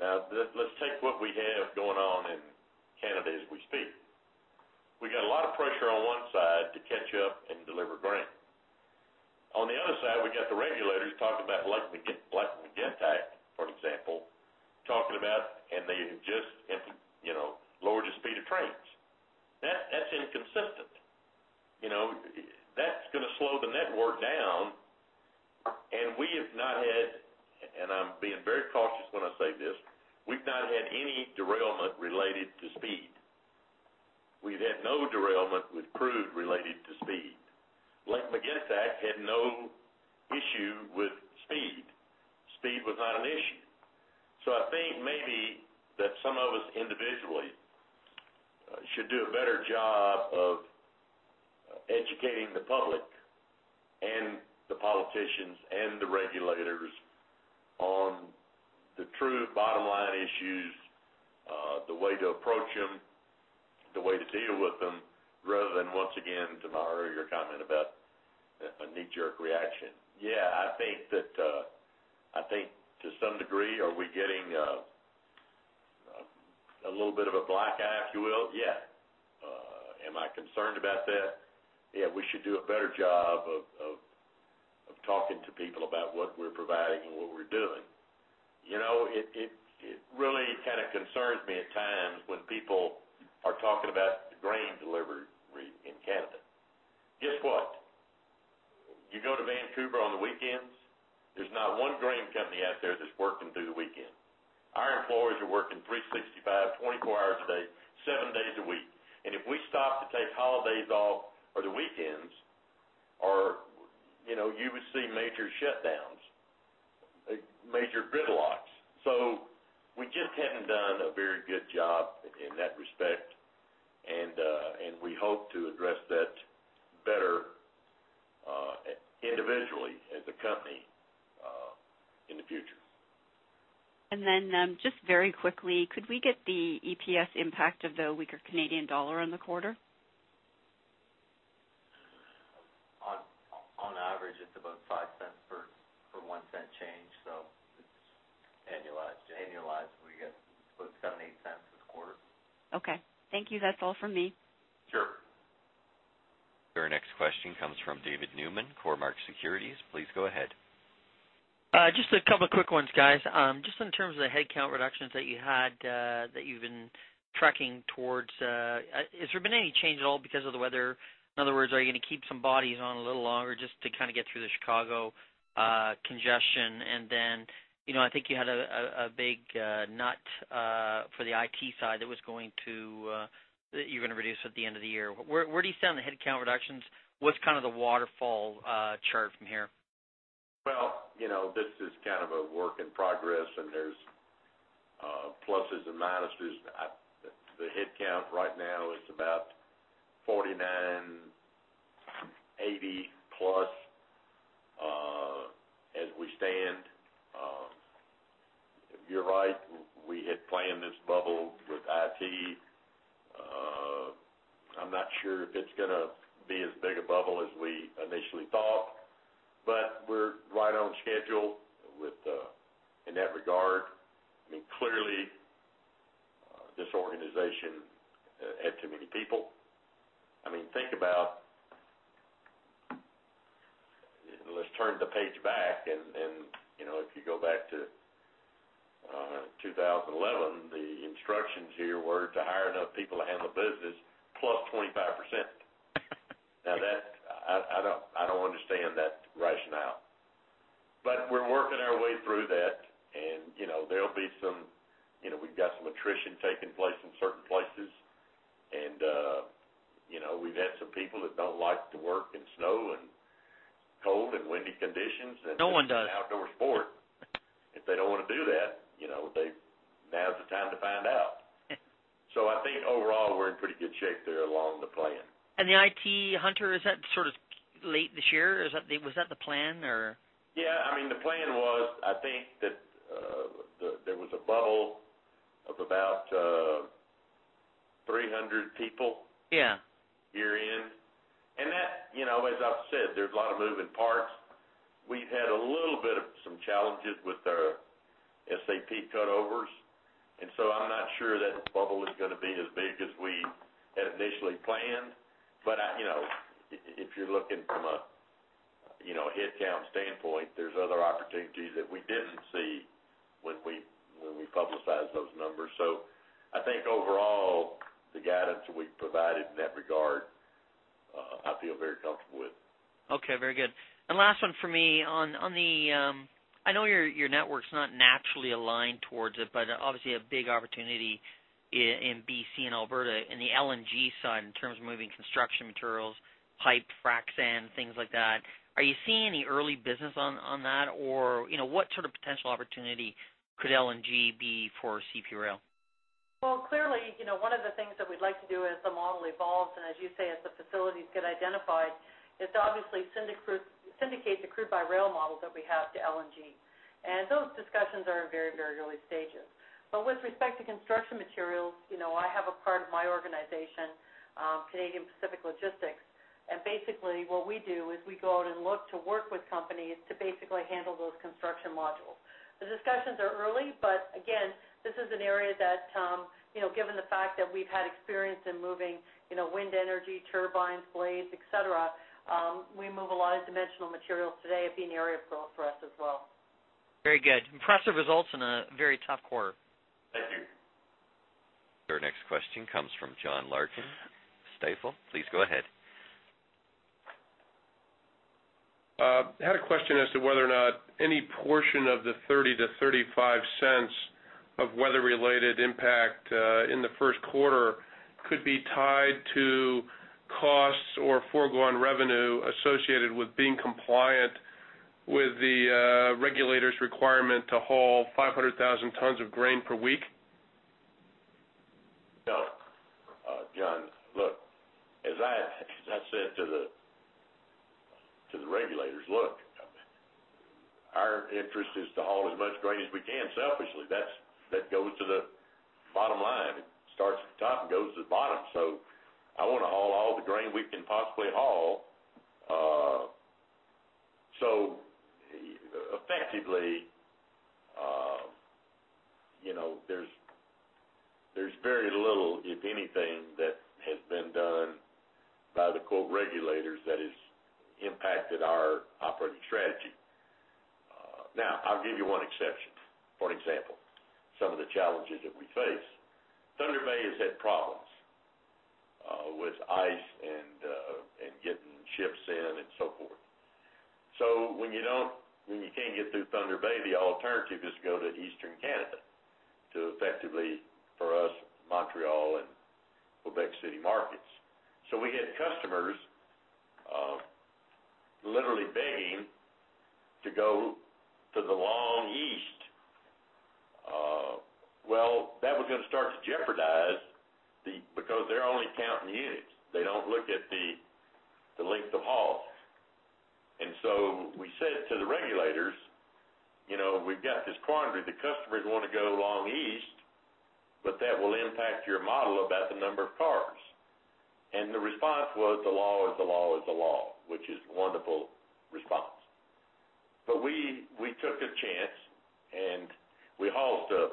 Now, let's take what we have going on in Canada as we speak. We've got a lot of pressure on one side to catch up and deliver grain. On the other side, we've got the regulators talking about Lac-Mégantic, for example, talking about, and they have just lowered the speed of trains. That's inconsistent. That's going to slow the network down. And we have not had, and I'm being very cautious when I say this. We've not had any derailment related to speed. We've had no derailment with crude related to speed. Lac-Mégantic had no issue with speed. Speed was not an issue. So I think maybe that some of us individually should do a better job of educating the public and the politicians and the regulators on the true bottom-line issues, the way to approach them, the way to deal with them, rather than, once again, to my earlier comment about a knee-jerk reaction. Yeah. I think that to some degree, are we getting a little bit of a black eye, if you will? Yeah. Am I concerned about that? Yeah. We should do a better job of talking to people about what we're providing and what we're doing. It really kind of concerns me at times when people are talking about grain delivery in Canada. Guess what? You go to Vancouver on the weekends, there's not one grain company out there that's working through the weekend. Our employees are working 365, 24 hours a day, seven days a week. And if we stopped to take holidays off or the weekends, you would see major shutdowns, major grid locks. So we just hadn't done a very good job in that respect. And we hope to address that better individually as a company in the future. And then just very quickly, could we get the EPS impact of the weaker Canadian dollar on the quarter? On average, it's about $0.05 per $0.01 change. So it's annualized. Annualized, we got about $0.07-$0.08 this quarter. Okay. Thank you. That's all from me. Sure. Your next question comes from David Newman, Cormark Securities. Please go ahead. Just a couple of quick ones, guys. Just in terms of the headcount reductions that you've been tracking towards, has there been any change at all because of the weather? In other words, are you going to keep some bodies on a little longer just to kind of get through the Chicago congestion? And then I think you had a big nut for the IT side that you're going to reduce at the end of the year. Where do you stand on the headcount reductions? What's kind of the waterfall chart from here? Well, this is kind of a work in progress. There's pluses and minuses. The headcount right now is about 4,980+ as we stand. You're right. We had planned this bubble with IT. I'm not sure if it's going to be as big a bubble as we initially thought. But if you're looking from a headcount standpoint, there's other opportunities that we didn't see when we publicized those numbers. So I think overall, the guidance we've provided in that regard, I feel very comfortable with. Okay. Very good. And last one for me on the. I know your network's not naturally aligned towards it, but obviously, a big opportunity in BC and Alberta in the LNG side in terms of moving construction materials, pipe, frac sand, things like that. Are you seeing any early business on that? Or what sort of potential opportunity could LNG be for CP Rail? Well, clearly, one of the things that we'd like to do as the model evolves and as you say, as the facilities get identified, is to obviously syndicate the crude-by-rail model that we have to LNG. And those discussions are in very, very early stages. But with respect to construction materials, I have a part of my organization, Canadian Pacific Logistics. And basically, what we do is we go out and look to work with companies to basically handle those construction modules. The discussions are early. But again, this is an area that, given the fact that we've had experience in moving wind energy, turbines, blades, etc., we move a lot of dimensional materials today. It'd be an area of growth for us as well. Very good. Impressive results in a very tough quarter. Thank you. Your next question comes from John Larkin, Stifel. Please go ahead. I had a question as to whether or not any portion of the $0.30-$0.35 of weather-related impact in the first quarter could be tied to costs or foregone revenue associated with being compliant with the regulator's requirement to haul 500,000 tons of grain per week. No, John. Look, as I said to the regulators, "Look, our interest is to haul as much grain as we can selfishly." That goes to the bottom line. It starts at the top and goes to the bottom. So I want to haul all the grain we can possibly haul. So effectively, there's very little, if anything, that has been done by the "regulators" that has impacted our operating strategy. Now, I'll give you one exception. For an example, some of the challenges that we face. Thunder Bay has had problems with ice and getting ships in and so forth. So when you can't get through Thunder Bay, the alternative is to go to eastern Canada to effectively, for us, Montreal and Quebec City markets. So we had customers literally begging to go to the long east. Well, that was going to start to jeopardize because they're only counting units. They don't look at the length of hauls. And so we said to the regulators, "We've got this quandary. The customers want to go Long East, but that will impact your model about the number of cars." And the response was, "The law is the law is the law," which is a wonderful response. But we took a chance. And we hauled stuff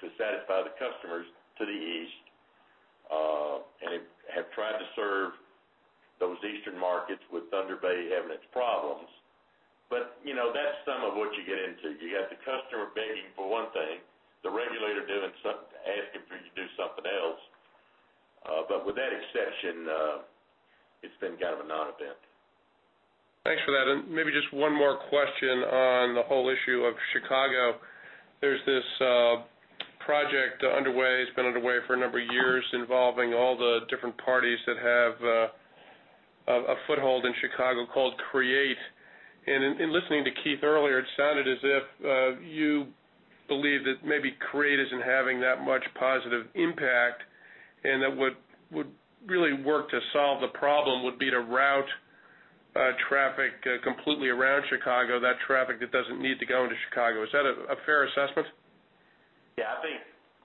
to satisfy the customers to the east and have tried to serve those eastern markets with Thunder Bay having its problems. But that's some of what you get into. You've got the customer begging for one thing, the regulator asking for you to do something else. But with that exception, it's been kind of a non-event. Thanks for that. And maybe just one more question on the whole issue of Chicago. There's this project underway. It's been underway for a number of years involving all the different parties that have a foothold in Chicago called CREATE. And in listening to Keith earlier, it sounded as if you believe that maybe CREATE isn't having that much positive impact. And that what would really work to solve the problem would be to route traffic completely around Chicago, that traffic that doesn't need to go into Chicago. Is that a fair assessment? Yeah. I think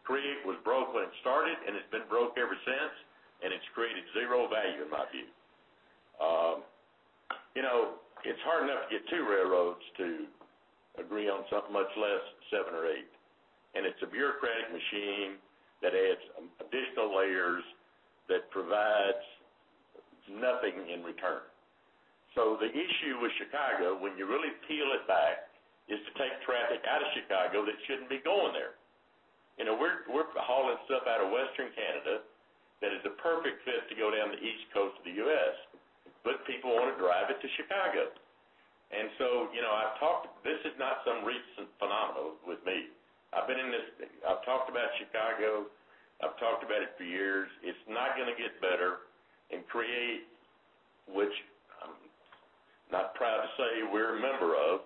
CREATE was broke when it started. And it's been broke ever since. And it's created zero value, in my view. It's hard enough to get two railroads to agree on something much less seven or eight. And it's a bureaucratic machine that adds additional layers that provides nothing in return. So the issue with Chicago, when you really peel it back, is to take traffic out of Chicago that shouldn't be going there. We're hauling stuff out of western Canada that is a perfect fit to go down the east coast of the U.S. But people want to drive it to Chicago. And so I've talked this is not some recent phenomenon with me. I've been in this I've talked about Chicago. I've talked about it for years. It's not going to get better. And CREATE, which I'm not proud to say we're a member of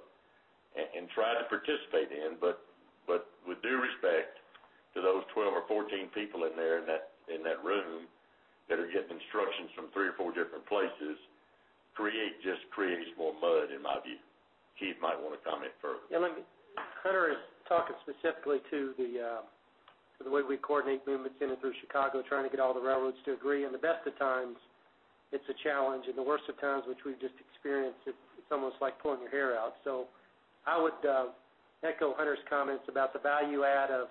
and tried to participate in, but with due respect to those 12 or 14 people in there in that room that are getting instructions from three or four different places, just creates more mud, in my view. Keith might want to comment further. Yeah. Hunter is talking specifically to the way we coordinate movements in and through Chicago, trying to get all the railroads to agree. And the best of times, it's a challenge. And the worst of times, which we've just experienced, it's almost like pulling your hair out. So I would echo Hunter's comments about the value add of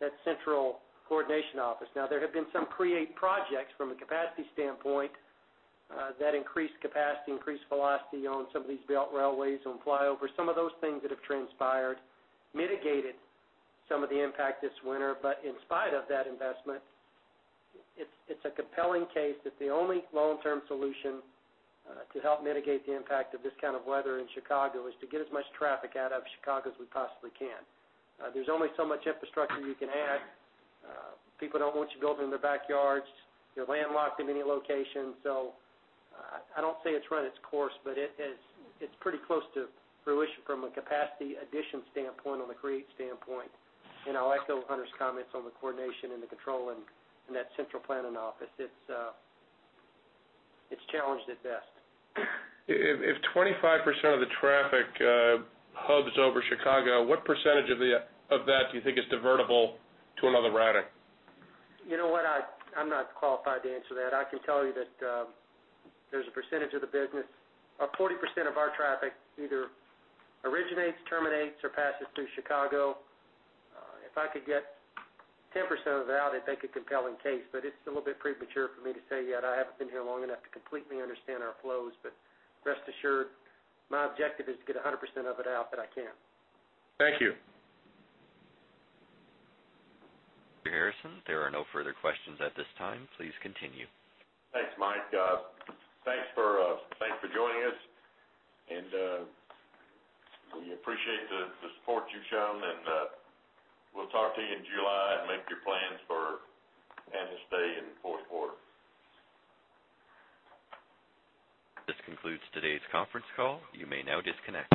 that central coordination office. Now, there have been some CREATE projects from a capacity standpoint that increased capacity, increased velocity on some of these belt railways, on flyovers. Some of those things that have transpired mitigated some of the impact this winter. But in spite of that investment, it's a compelling case that the only long-term solution to help mitigate the impact of this kind of weather in Chicago is to get as much traffic out of Chicago as we possibly can. There's only so much infrastructure you can add. People don't want you building in their backyards. You're landlocked in many locations. So I don't say it's run its course. But it's pretty close to fruition from a capacity addition standpoint, on the CREATE standpoint. And I'll echo Hunter's comments on the coordination and the control in that central planning office. It's challenged at best. If 25% of the traffic hubs over Chicago, what percentage of that do you think is devertible to another routing? You know what? I'm not qualified to answer that. I can tell you that there's a percentage of the business or 40% of our traffic either originates, terminates, or passes through Chicago. If I could get 10% of it out, I'd make a compelling case. But it's a little bit premature for me to say yet. I haven't been here long enough to completely understand our flows. But rest assured, my objective is to get 100% of it out that I can. Thank you. Harrison, there are no further questions at this time. Please continue. Thanks, Mike. Thanks for joining us. We appreciate the support you've shown. We'll talk to you in July and make your plans for Analyst Day and fourth quarter. This concludes today's conference call. You may now disconnect.